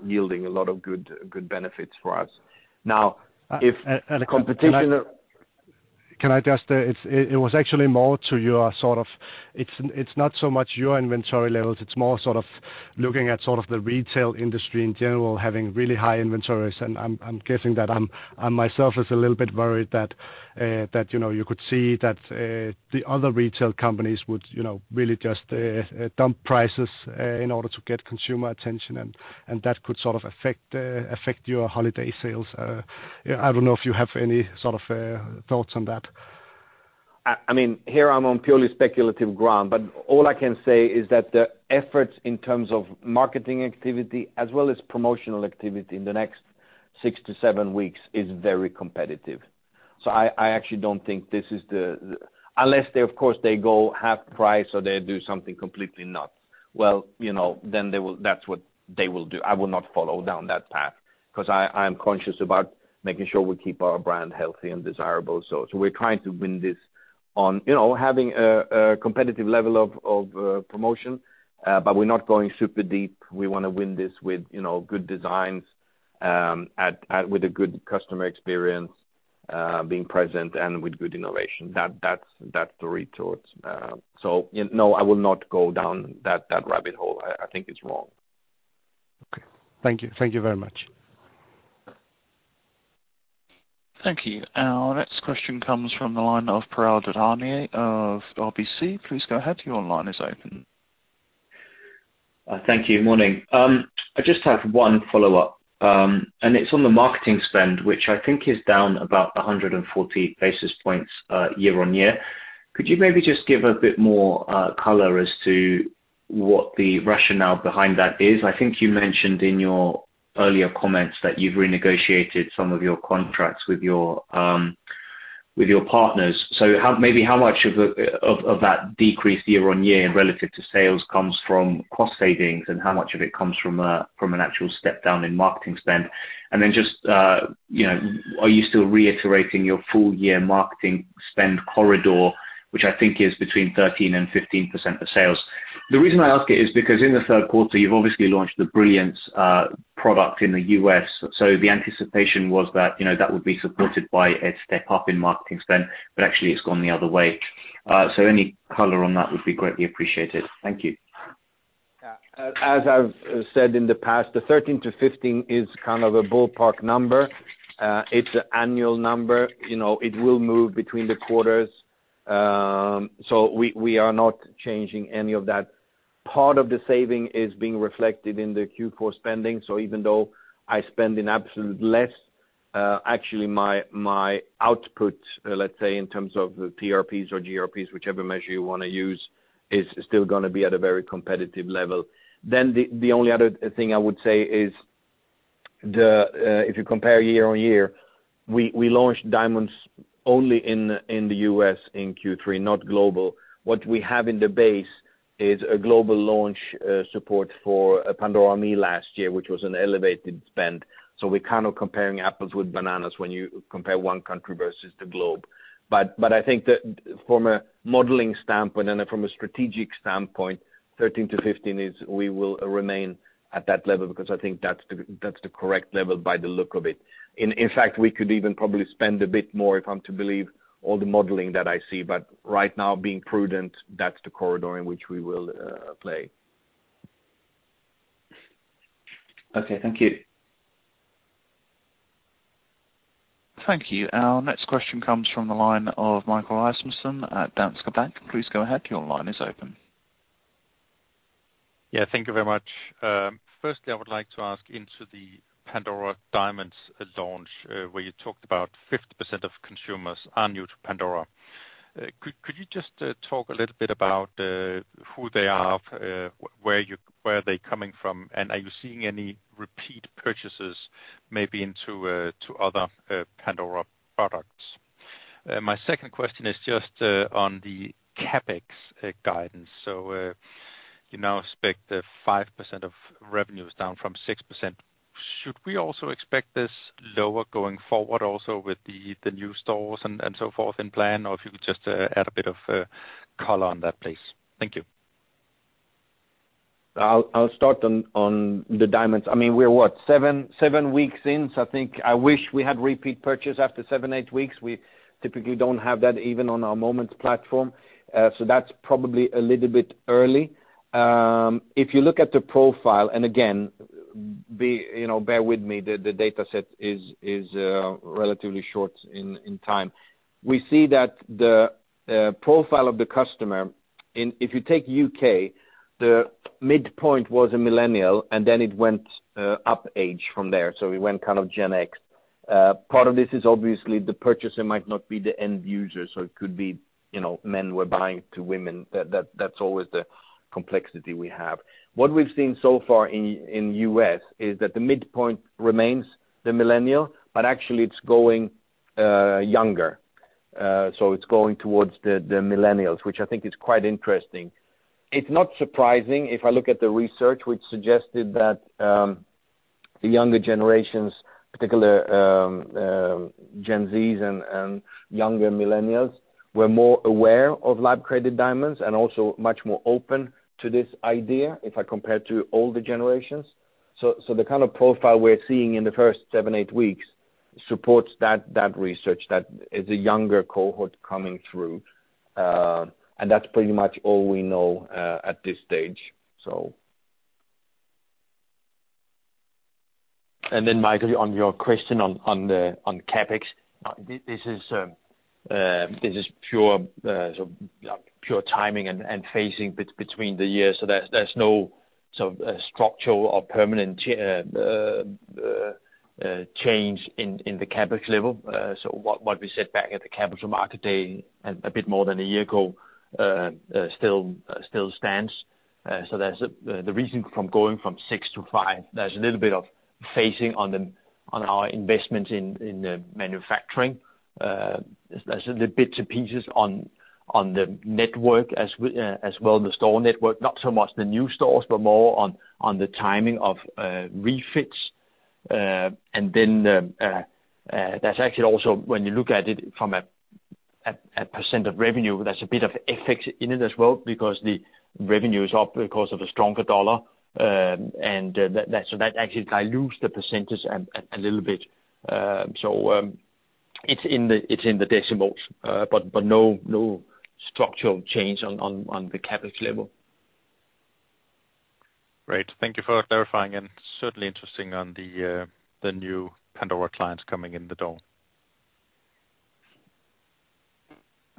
yielding a lot of good benefits for us. If competition- It was actually more to your sort of, it's not so much your inventory levels, it's more looking at the retail industry in general having really high inventories. I'm guessing that I'm myself is a little bit worried that you could see that the other retail companies would really just dump prices in order to get consumer attention, and that could sort of affect your holiday sales. I don't know if you have any sort of thoughts on that. Here I'm on purely speculative ground, but all I can say is that the efforts in terms of marketing activity as well as promotional activity in the next six to seven weeks is very competitive. I actually don't think this is the. Unless they, of course, they go half price or they do something completely nuts. That's what they will do. I will not follow down that path because I am conscious about making sure we keep our brand healthy and desirable. We're trying to win this on having a competitive level of promotion, but we're not going super deep. We want to win this with good designs, with a good customer experience, being present, and with good innovation. That's the three thoughts. No, I will not go down that rabbit hole. I think it's wrong. Okay. Thank you. Thank you very much. Thank you. Our next question comes from the line of Piral Dadhania of RBC. Please go ahead. Your line is open. Thank you. Morning. I just have one follow-up, and it's on the marketing spend, which I think is down about 140 basis points year-on-year. Could you maybe just give a bit more color as to what the rationale behind that is? I think you mentioned in your earlier comments that you've renegotiated some of your contracts with your partners. Maybe how much of that decreased year-on-year relative to sales comes from cost savings, and how much of it comes from an actual step down in marketing spend? Are you still reiterating your full year marketing spend corridor, which I think is between 13%-15% of sales? The reason I ask it is because in the third quarter, you've obviously launched the Brilliance product in the U.S., the anticipation was that that would be supported by a step up in marketing spend, actually it's gone the other way. Any color on that would be greatly appreciated. Thank you. As I've said in the past, the 13-15 is kind of a ballpark number. It's an annual number. It will move between the quarters. We are not changing any of that. Part of the saving is being reflected in the Q4 spending, even though I spend in absolute less, actually my output, let's say, in terms of TRPs or GRPs, whichever measure you want to use, is still going to be at a very competitive level. The only other thing I would say is if you compare year-on-year, we launched Diamonds only in the U.S. in Q3, not global. What we have in the base is a global launch support for Pandora ME last year, which was an elevated spend. We're kind of comparing apples with bananas when you compare one country versus the globe. I think that from a modeling standpoint and from a strategic standpoint, 13-15 is we will remain at that level because I think that's the correct level by the look of it. In fact, we could even probably spend a bit more if I'm to believe all the modeling that I see. Right now, being prudent, that's the corridor in which we will play. Okay. Thank you. Thank you. Our next question comes from the line of Michael Isomson at Danske Bank. Please go ahead. Your line is open. Thank you very much. Firstly, I would like to ask into the Pandora Diamonds launch, where you talked about 50% of consumers are new to Pandora. Could you just talk a little bit about who they are, where are they coming from, and are you seeing any repeat purchases maybe into other Pandora products? My second question is just on the CapEx guidance. You now expect 5% of revenues down from 6%. Should we also expect this lower going forward, also with the new stores and so forth in plan? Or if you could just add a bit of color on that, please. Thank you. I'll start on the Diamonds. We're what? Seven weeks in, so I think I wish we had repeat purchase after seven, eight weeks. We typically don't have that even on our Moments platform. That's probably a little bit early. If you look at the profile, again, bear with me, the data set is relatively short in time. We see that the profile of the customer, if you take U.K., the midpoint was a millennial, and then it went up age from there, so it went kind of Gen X. Part of this is obviously the purchaser might not be the end user, so it could be men were buying to women. That's always the complexity we have. What we've seen so far in U.S. is that the midpoint remains the millennial, but actually it's going younger. It's going towards the millennials, which I think is quite interesting. It's not surprising if I look at the research, which suggested that the younger generations, particular Gen Zs and younger Millennials, were more aware of lab-created diamonds and also much more open to this idea if I compare to older generations. The kind of profile we're seeing in the first seven, eight weeks supports that research, that is a younger cohort coming through. That's pretty much all we know at this stage. Michael, on your question on CapEx, this is pure timing and phasing between the years. There's no structural or permanent change in the CapEx level. What we said back at the Capital Markets Day a bit more than a year ago still stands. The reason from going from six to five, there's a little bit of phasing on our investments in the manufacturing. There's the bits and pieces on the network as well, the store network, not so much the new stores, but more on the timing of refits. That's actually also, when you look at it from a % of revenue, there's a bit of FX in it as well because the revenue is up because of the stronger dollar. That actually dilutes the percentage a little bit. It's in the decimals, but no structural change on the CapEx level. Great. Thank you for clarifying, and certainly interesting on the new Pandora clients coming in the door.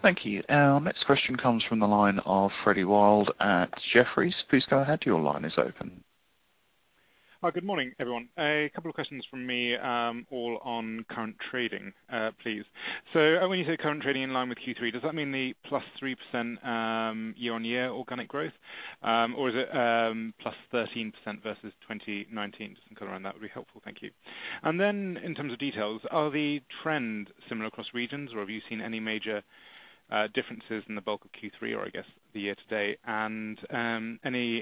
Thank you. Our next question comes from the line of Frederick Wild at Jefferies. Please go ahead. Your line is open. Hi, good morning, everyone. A couple of questions from me, all on current trading, please. When you say current trading in line with Q3, does that mean the +3% year-on-year organic growth? Or is it +13% versus 2019? Just some color on that would be helpful. Thank you. In terms of details, are the trends similar across regions or have you seen any major differences in the bulk of Q3 or I guess the year-to-date? Any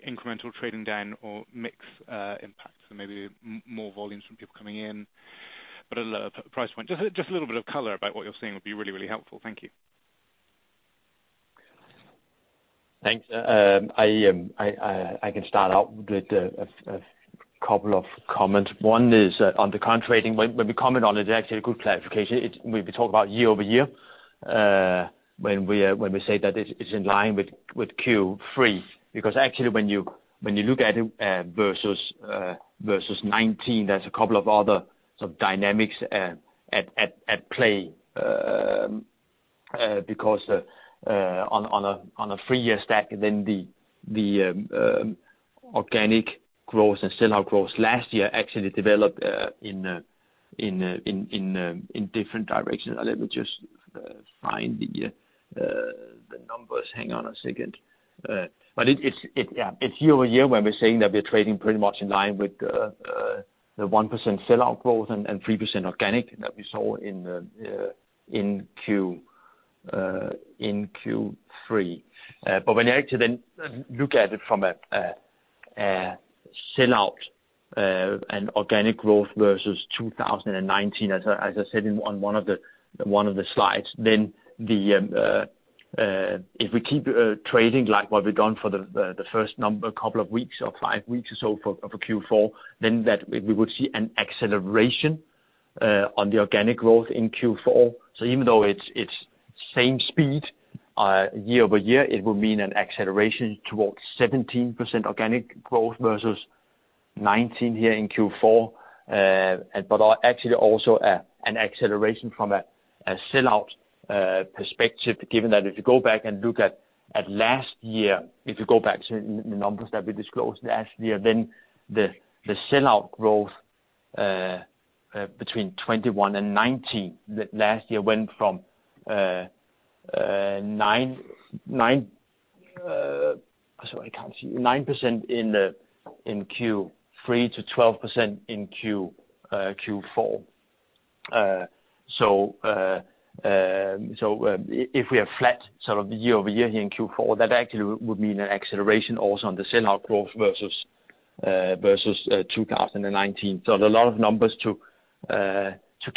incremental trading down or mix impacts? Maybe more volumes from people coming in, but at a lower price point. Just a little bit of color about what you're seeing would be really, really helpful. Thank you. Thanks. I can start out with a couple of comments. One is on the current trading. When we comment on it's actually a good clarification. We talk about year-over-year when we say that it's in line with Q3. Actually when you look at it versus 2019, there's a couple of other sort of dynamics at play. Let me just find the numbers. Hang on a second. It's year-over-year when we're saying that we're trading pretty much in line with the 1% sell-out growth and 3% organic that we saw in Q3. When you actually look at it from a sell-out and organic growth versus 2019, as I said on one of the slides, if we keep trading like what we've done for the first couple of weeks or 5 weeks or so for Q4, we would see an acceleration on the organic growth in Q4. Even though it's same speed year-over-year, it will mean an acceleration towards 17% organic growth versus 2019 here in Q4, but actually also an acceleration from a sell-out perspective, given that if you go back and look at last year, if you go back to the numbers that we disclosed last year, the sell-out growth between 2021 and 2019, last year went from 9%. Sorry, I can't see. 9% in Q3 to 12% in Q4. If we are flat sort of year-over-year here in Q4, that actually would mean an acceleration also on the sell-out growth versus 2019. There are a lot of numbers to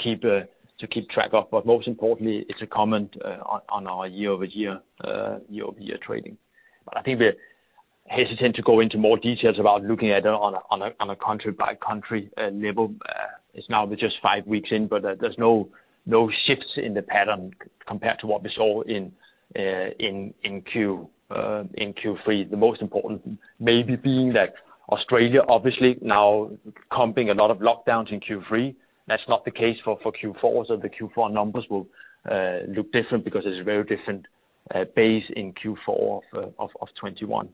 keep track of. Most importantly, it's a comment on our year-over-year trading. I think we're hesitant to go into more details about looking at it on a country-by-country level. It's now just 5 weeks in, but there's no shifts in the pattern compared to what we saw in Q3. The most important maybe being that Australia obviously now comping a lot of lockdowns in Q3. That's not the case for Q4. The Q4 numbers will look different because it's a very different base in Q4 of 2021.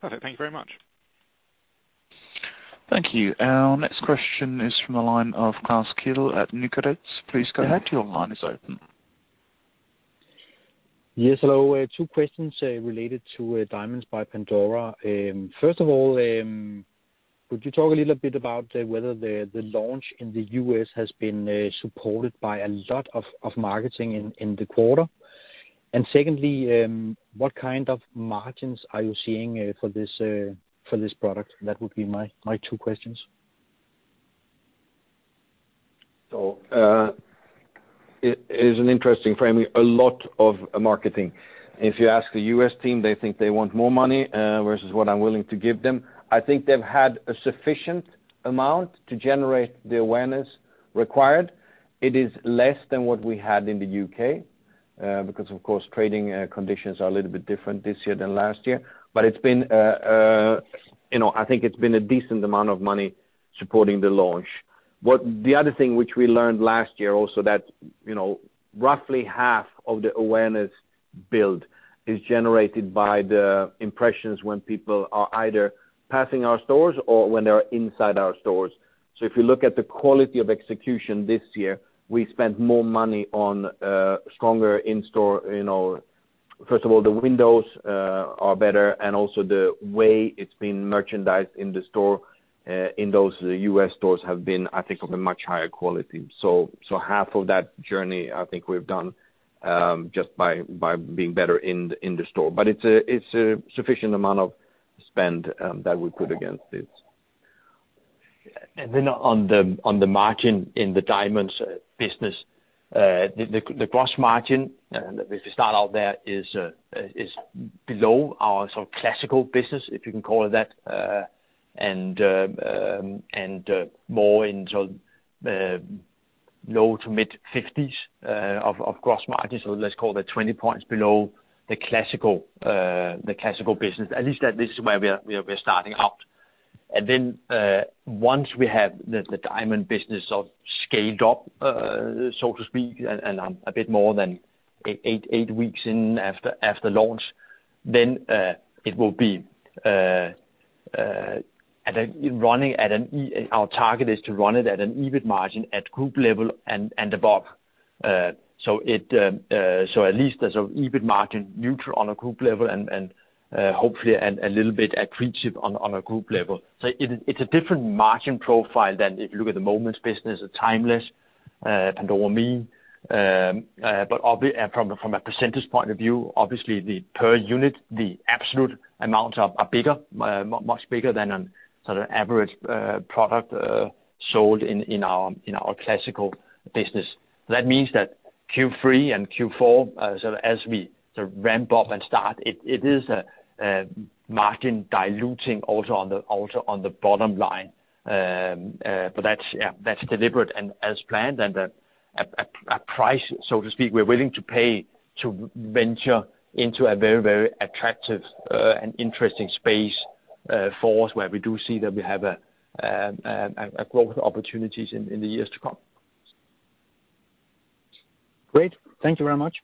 Perfect. Thank you very much. Thank you. Our next question is from the line of Klaus Kiel at New Street. Please go ahead. Your line is open. Yes, hello. Two questions related to Diamonds by Pandora. First of all, could you talk a little bit about whether the launch in the U.S. has been supported by a lot of marketing in the quarter? Secondly, what kind of margins are you seeing for this product? That would be my two questions. It is an interesting framing. A lot of marketing. If you ask the U.S. team, they think they want more money, versus what I'm willing to give them. I think they've had a sufficient amount to generate the awareness required. It is less than what we had in the U.K., because of course, trading conditions are a little bit different this year than last year. I think it's been a decent amount of money supporting the launch. The other thing which we learned last year also that roughly half of the awareness build is generated by the impressions when people are either passing our stores or when they're inside our stores. If you look at the quality of execution this year, we spent more money on stronger in-store. First of all, the windows are better and also the way it's been merchandised in the store, in those U.S. stores have been, I think, of a much higher quality. Half of that journey, I think we've done just by being better in the store. It's a sufficient amount of spend that we put against this. On the margin in the diamonds business, the gross margin, if we start out there, is below our sort of classical business, if you can call it that, and more in sort of low to mid 50s of gross margin. Let's call that 20 points below the classical business. At least this is where we are starting out. Once we have the diamond business sort of scaled up, so to speak, and a bit more than 8 weeks in after launch, our target is to run it at an EBIT margin at group level and above. At least there's an EBIT margin neutral on a group level and hopefully, a little bit accretive on a group level. It's a different margin profile than if you look at the Moments business or Timeless, Pandora ME, from a percentage point of view, obviously the per unit, the absolute amounts are much bigger than a sort of average product sold in our classical business. That means that Q3 and Q4, as we sort of ramp up and start it is a margin diluting also on the bottom line. That's deliberate and as planned and a price, so to speak, we're willing to pay to venture into a very attractive and interesting space for us, where we do see that we have growth opportunities in the years to come. Great. Thank you very much.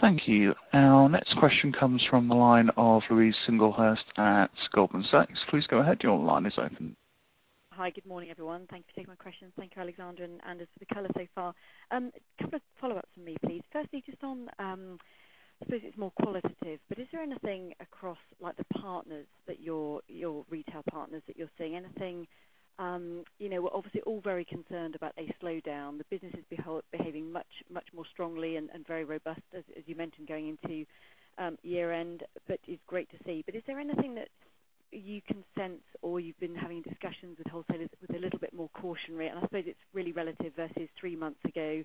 Thank you. Our next question comes from the line of Louise Singlehurst at Goldman Sachs. Please go ahead. Your line is open. Hi. Good morning, everyone. Thanks for taking my question. Thank you, Alexander and Anders for the color so far. A couple of follow-ups from me, please. Firstly, just on, I suppose it's more qualitative, but is there anything across, like the partners, your retail partners that you're seeing? We're obviously all very concerned about a slowdown. The business is behaving much more strongly and very robust, as you mentioned, going into year-end, but it's great to see. Is there anything that you can sense or you've been having discussions with wholesalers with a little bit more cautionary? I suppose it's really relative versus three months ago,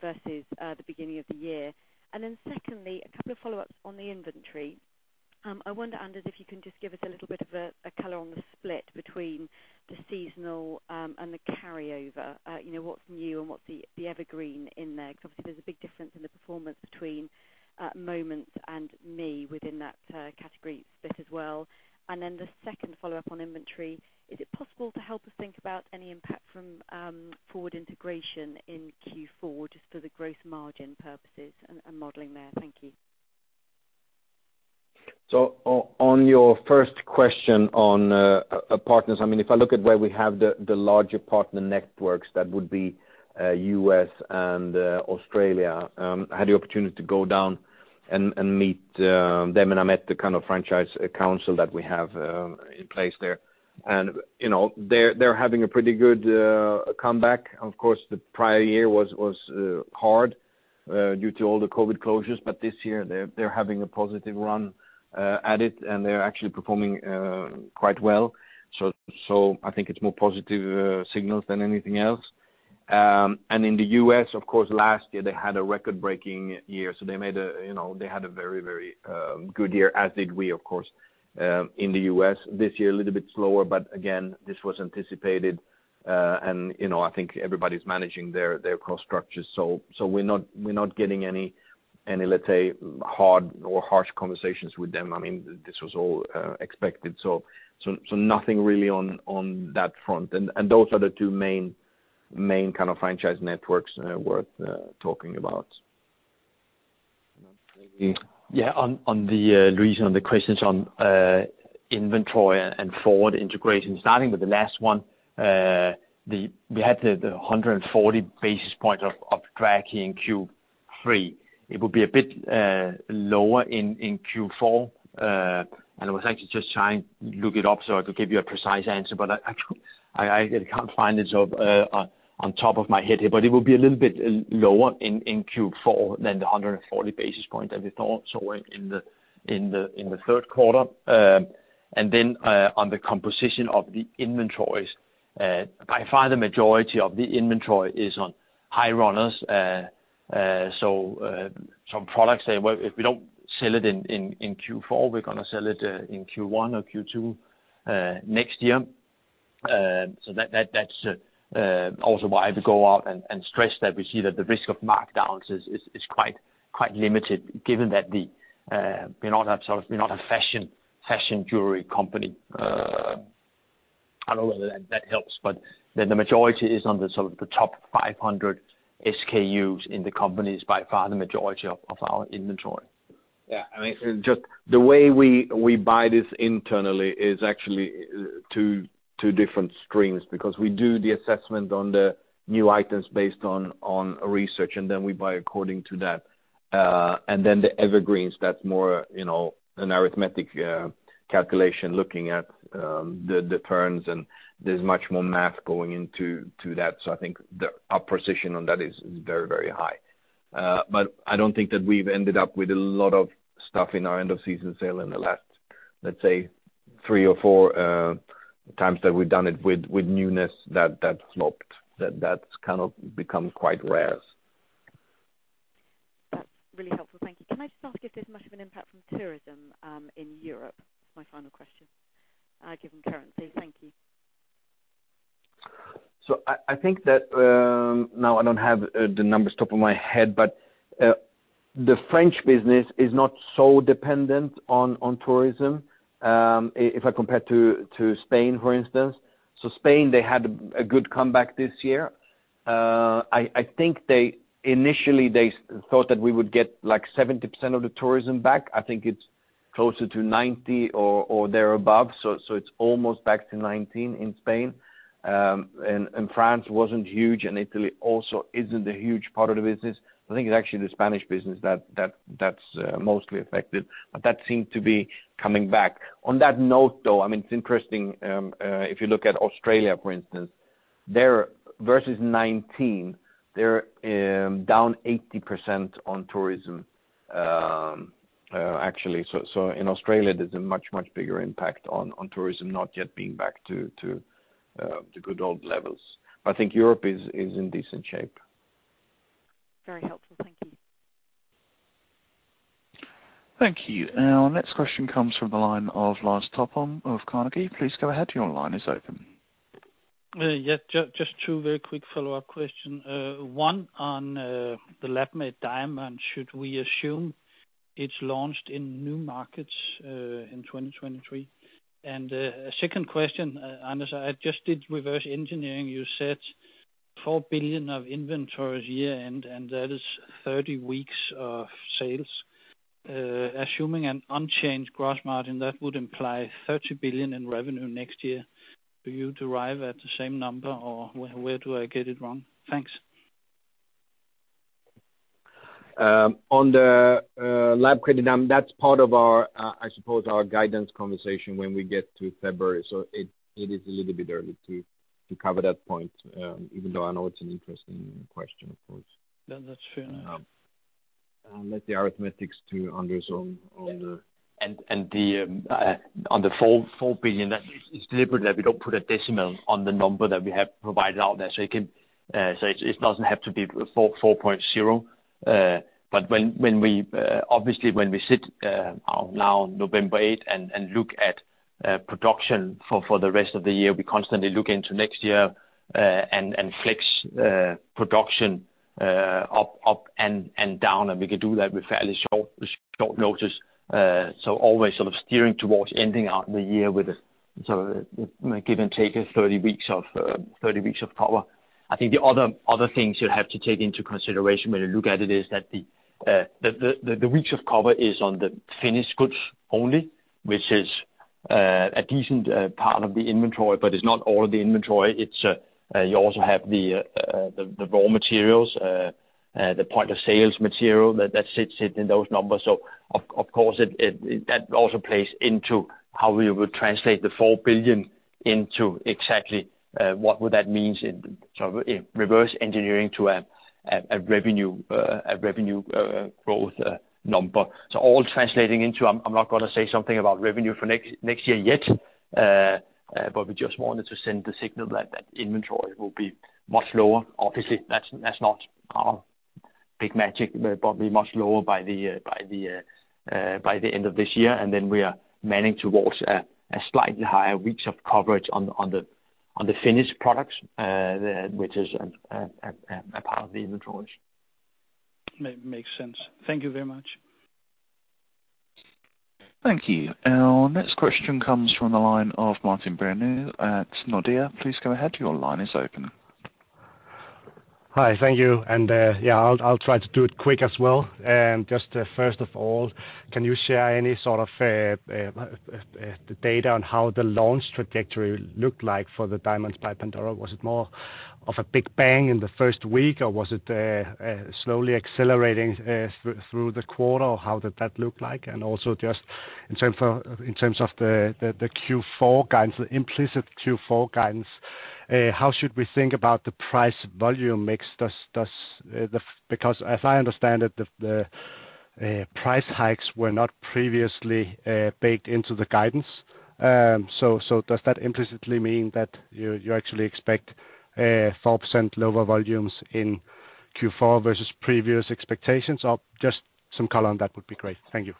versus the beginning of the year. Secondly, a couple of follow-ups on the inventory I wonder, Anders, if you can just give us a little bit of color on the split between the seasonal and the carryover. What's new and what's the evergreen in there? Because obviously, there's a big difference in the performance between Pandora Moments and Pandora ME within that category bit as well. The second follow-up on inventory, is it possible to help us think about any impact from forward integration in Q4 just for the gross margin purposes and modeling there? Thank you. On your first question on partners, if I look at where we have the larger partner networks, that would be U.S. and Australia. I had the opportunity to go down and meet them, and I met the kind of franchise council that we have in place there. They're having a pretty good comeback. Of course, the prior year was hard due to all the COVID closures. This year they're having a positive run at it and they're actually performing quite well. I think it's more positive signals than anything else. In the U.S., of course, last year they had a record-breaking year. They had a very good year, as did we, of course, in the U.S. This year a little bit slower, but again, this was anticipated. I think everybody's managing their cost structure. We're not getting any, let's say, hard or harsh conversations with them. This was all expected. Nothing really on that front. Those are the two main kind of franchise networks worth talking about. Yeah. On the reason on the questions on inventory and forward integration, starting with the last one. We had the 140 basis points of tracking in Q3. It would be a bit lower in Q4. I was actually just trying to look it up so I could give you a precise answer, but I can't find it on top of my head here. It would be a little bit lower in Q4 than the 140 basis points that we thought. In the third quarter. On the composition of the inventories, by far the majority of the inventory is on high runners. Some products say, "Well, if we don't sell it in Q4, we're going to sell it in Q1 or Q2 next year." That's also why we go out and stress that we see that the risk of markdowns is quite limited given that we're not a fashion jewelry company. I don't know whether that helps, but the majority is on the top 500 SKUs in the companies, by far the majority of our inventory. Yeah. The way we buy this internally is actually two different streams because we do the assessment on the new items based on research and then we buy according to that. The evergreens, that's more an arithmetic calculation looking at the turns and there's much more math going into that. I think our position on that is very high. I don't think that we've ended up with a lot of stuff in our end of season sale in the last, let's say, three or four times that we've done it with newness that flopped. That's kind of become quite rare. That's really helpful. Thank you. Can I just ask if there's much of an impact from tourism in Europe? My final question, given currency. Thank you. I think that, now I don't have the numbers top of my head, but the French business is not so dependent on tourism. If I compare to Spain, for instance. Spain, they had a good comeback this year. I think initially they thought that we would get 70% of the tourism back. I think it's closer to 90 or there above. It's almost back to 2019 in Spain. France wasn't huge, and Italy also isn't a huge part of the business. I think it's actually the Spanish business that's mostly affected, but that seemed to be coming back. On that note, though, it's interesting, if you look at Australia, for instance, versus 2019, they're down 80% on tourism actually. In Australia there's a much bigger impact on tourism not yet being back to the good old levels. I think Europe is in decent shape. Very helpful. Thank you. Thank you. Our next question comes from the line of Lars Topholm of Carnegie. Please go ahead. Your line is open. Just two very quick follow-up questions. One on the lab-made diamond. Should we assume it's launched in new markets in 2023? A second question, Anders, I just did reverse engineering. You said 4 billion of inventories year end, that is 30 weeks of sales. Assuming an unchanged gross margin, that would imply 30 billion in revenue next year. Do you derive at the same number or where do I get it wrong? Thanks. On the lab-created diamond, that's part of our, I suppose our guidance conversation when we get to February. It is a little bit early to cover that point. Even though I know it's an interesting question, of course. No, that's fair enough. I'll let the arithmetics to Anders on the- On the 4 billion, it's deliberate that we don't put a decimal on the number that we have provided out there. It doesn't have to be 4.0. Obviously, when we sit now on November 8th and look at production for the rest of the year, we constantly look into next year and flex production up and down. We can do that with fairly short notice. Always sort of steering towards ending out the year with a give and take of 30 weeks of cover. I think the other things you'll have to take into consideration when you look at it is that the weeks of cover is on the finished goods only, which is a decent part of the inventory, but it's not all of the inventory. You also have the raw materials, the point-of-sale material that sits in those numbers. Of course, that also plays into how we would translate the 4 billion into exactly what would that mean in reverse engineering to a revenue growth number. All translating into, I'm not going to say something about revenue for next year yet, but we just wanted to send the signal that inventory will be much lower. Obviously, that's not our big magic, but be much lower by the end of this year. Then we are manning towards a slightly higher weeks of coverage on the finished products, which is a part of the inventories. Makes sense. Thank you very much. Thank you. Our next question comes from the line of Martin Brenøe at Nordea. Please go ahead. Your line is open. Hi. Thank you. Yeah, I'll try to do it quick as well. Just first of all, can you share any sort of the data on how the launch trajectory looked like for the Diamonds by Pandora? Was it more of a big bang in the first week, or was it slowly accelerating through the quarter, or how did that look like? Also just in terms of the Q4 guidance, the implicit Q4 guidance, how should we think about the price volume mix? Because as I understand it, the price hikes were not previously baked into the guidance. Does that implicitly mean that you actually expect 4% lower volumes in Q4 versus previous expectations, or just some color on that would be great. Thank you.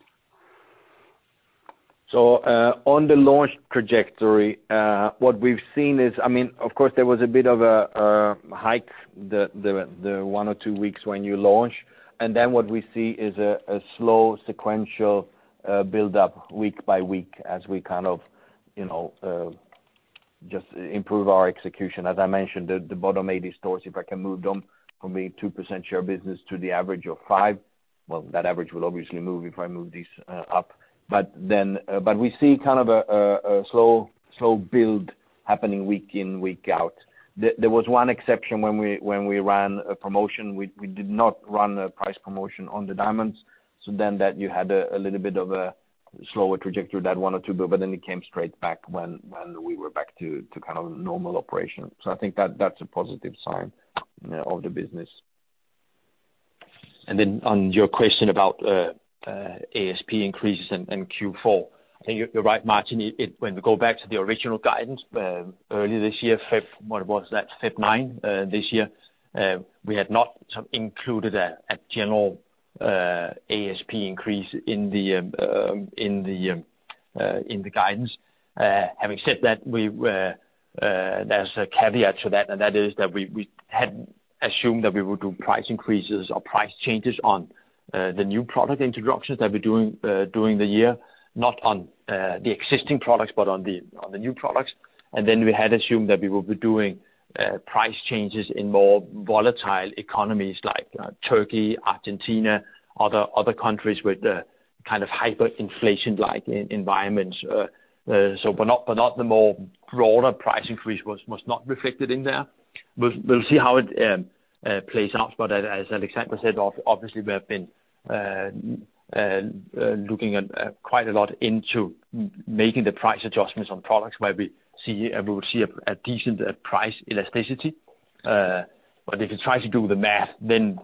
On the launch trajectory, what we've seen is, of course, there was a bit of a hike, the one or two weeks when you launch. Then what we see is a slow sequential build-up week by week as we kind of just improve our execution. As I mentioned, the bottom 80 stores, if I can move them from being 2% share business to the average of five, well, that average will obviously move if I move these up. We see kind of a slow build happening week in, week out. There was one exception when we ran a promotion. We did not run a price promotion on the diamonds, then you had a little bit of a slower trajectory that one or two, then it came straight back when we were back to kind of normal operation. I think that's a positive sign of the business. On your question about ASP increases in Q4, I think you're right, Martin. When we go back to the original guidance earlier this year, February 9 this year, we had not included a general ASP increase in the guidance. Having said that, there's a caveat to that, and that is that we had assumed that we would do price increases or price changes on the new product introductions that we're doing during the year, not on the existing products, but on the new products. Then we had assumed that we would be doing price changes in more volatile economies like Turkey, Argentina, other countries with the kind of hyperinflation-like environments. Not the more broader price increase was not reflected in there. We'll see how it plays out, but as Alexander said, obviously, we have been looking at quite a lot into making the price adjustments on products where we would see a decent price elasticity. If you try to do the math, then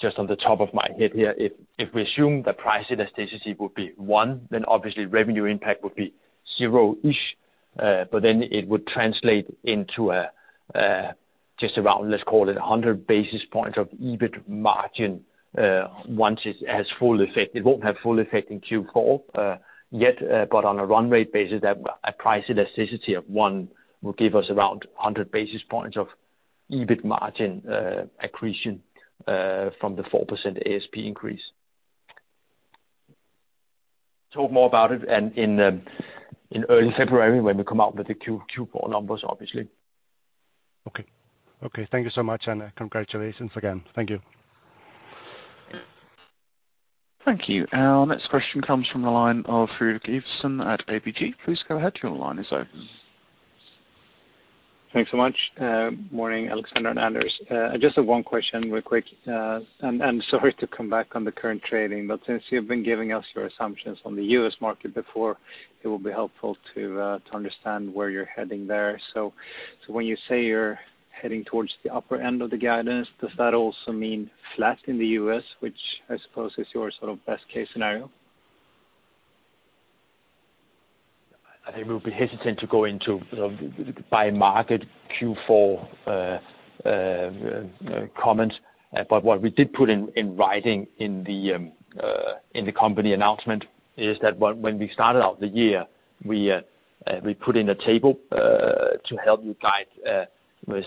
just on the top of my head here, if we assume the price elasticity would be one, then obviously revenue impact would be zero-ish, but then it would translate into just around, let's call it 100 basis points of EBIT margin once it has full effect. It won't have full effect in Q4 yet, but on a run rate basis, a price elasticity of one will give us around 100 basis points of EBIT margin accretion from the 4% ASP increase. Talk more about it in early February when we come out with the Q4 numbers, obviously. Okay. Thank you so much. Congratulations again. Thank you. Thank you. Our next question comes from the line of Rudy Gibson at ABG. Please go ahead. Your line is open. Thanks so much. Morning, Alexander and Anders. I just have one question real quick. Sorry to come back on the current trading, but since you've been giving us your assumptions on the U.S. market before, it will be helpful to understand where you're heading there. When you say you're heading towards the upper end of the guidance, does that also mean flat in the U.S. which I suppose is your sort of best case scenario? I think we'll be hesitant to go into by market Q4 comments. What we did put in writing in the company announcement is that when we started out the year, we put in a table, to help you guide, with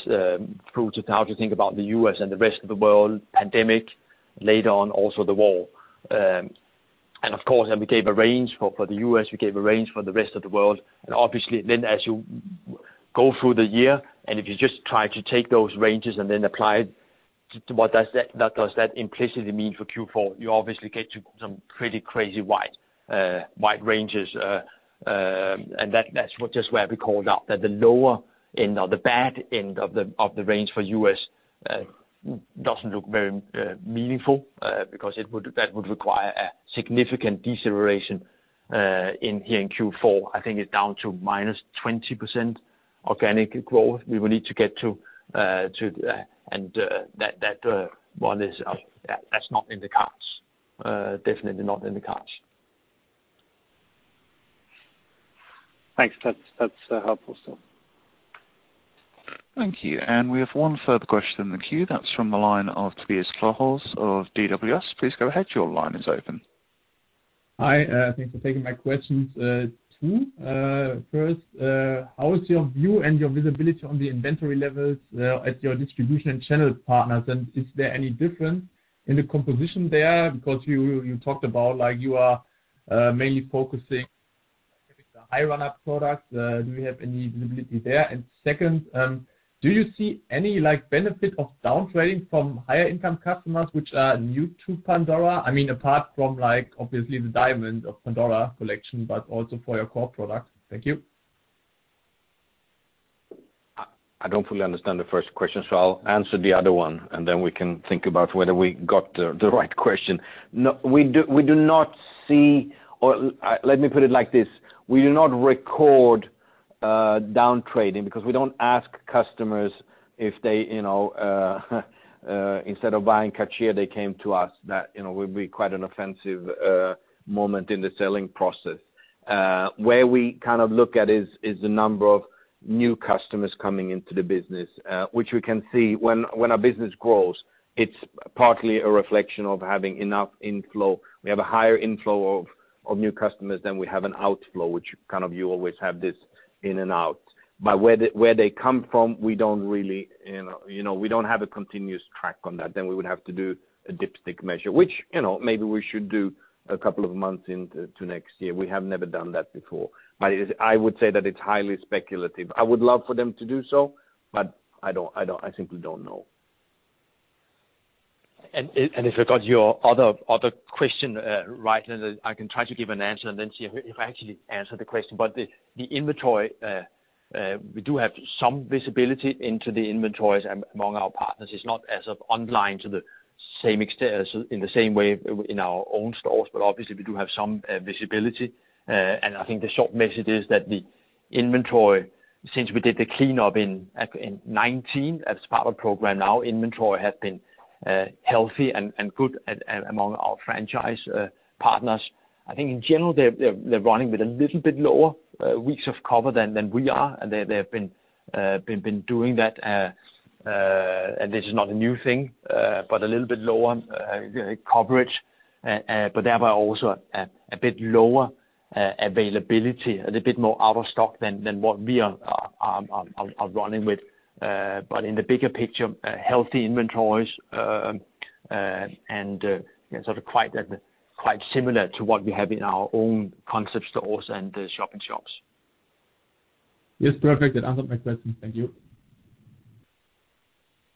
how to think about the U.S. and the rest of the world pandemic, later on, also the war. Of course, we gave a range for the U.S., we gave a range for the rest of the world. Obviously then as you go through the year, if you just try to take those ranges and then apply it to what does that implicitly mean for Q4, you obviously get to some pretty crazy wide ranges. That's just where we called out that the lower end or the bad end of the range for U.S., doesn't look very meaningful, because that would require a significant deceleration here in Q4. I think it's down to minus 20% organic growth we will need to get to, and that one is not in the cards. Definitely not in the cards. Thanks. That's helpful. Thank you. We have one further question in the queue. That's from the line of Tobias Klohrs of DWS. Please go ahead. Your line is open. Hi, thanks for taking my questions too. First, how is your view and your visibility on the inventory levels at your distribution and channel partners? Is there any difference in the composition there? You talked about you are mainly focusing on the high runner products. Do you have any visibility there? Second, do you see any benefit of downtrading from higher income customers which are new to Pandora? I mean apart from obviously the Diamonds by Pandora collection, but also for your core products. Thank you. I don't fully understand the first question, so I'll answer the other one and then we can think about whether we got the right question. We do not see, or let me put it like this, we do not record downtrading because we don't ask customers if they instead of buying Cartier, they came to us. That would be quite an offensive moment in the selling process. Where we kind of look at is the number of new customers coming into the business, which we can see when our business grows, it's partly a reflection of having enough inflow. We have a higher inflow of new customers than we have an outflow, which kind of you always have this in and out. Where they come from, we don't have a continuous track on that. We would have to do a dipstick measure, which maybe we should do a couple of months into next year. We have never done that before, but I would say that it's highly speculative. I would love for them to do so, but I simply don't know. If I got your other question right, then I can try to give an answer and then see if I actually answered the question. The inventory, we do have some visibility into the inventories among our partners. It's not as of online in the same way in our own stores, but obviously we do have some visibility. I think the short message is that the inventory, since we did the cleanup in 2019 as part of Programme NOW, inventory has been healthy and good among our franchise partners. I think in general, they're running with a little bit lower weeks of cover than we are, and they've been doing that. This is not a new thing, but a little bit lower coverage, but thereby also a bit lower availability. A little bit more out of stock than what we are running with. In the bigger picture, healthy inventories, and sort of quite similar to what we have in our own concept stores and the shop-in-shops. Yes. Perfect. That answered my question. Thank you.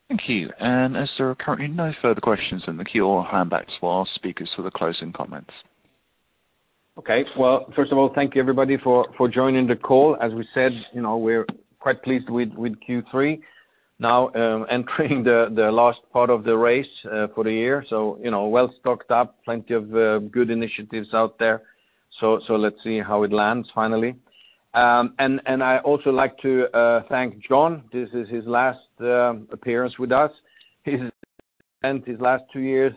Thank you. As there are currently no further questions in the queue, I'll hand back to our speakers for the closing comments. Okay. Well, first of all, thank you everybody for joining the call. As we said, we're quite pleased with Q3 now entering the last part of the race for the year. Well stocked up, plenty of good initiatives out there. Let's see how it lands finally. I also like to thank John. This is his last appearance with us. He's spent his last two years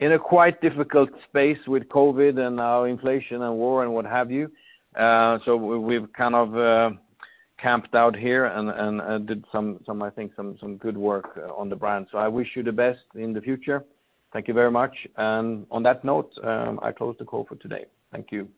in a quite difficult space with COVID and now inflation and war and what have you. We've kind of camped out here and did some, I think some good work on the brand. I wish you the best in the future. Thank you very much. On that note, I close the call for today. Thank you.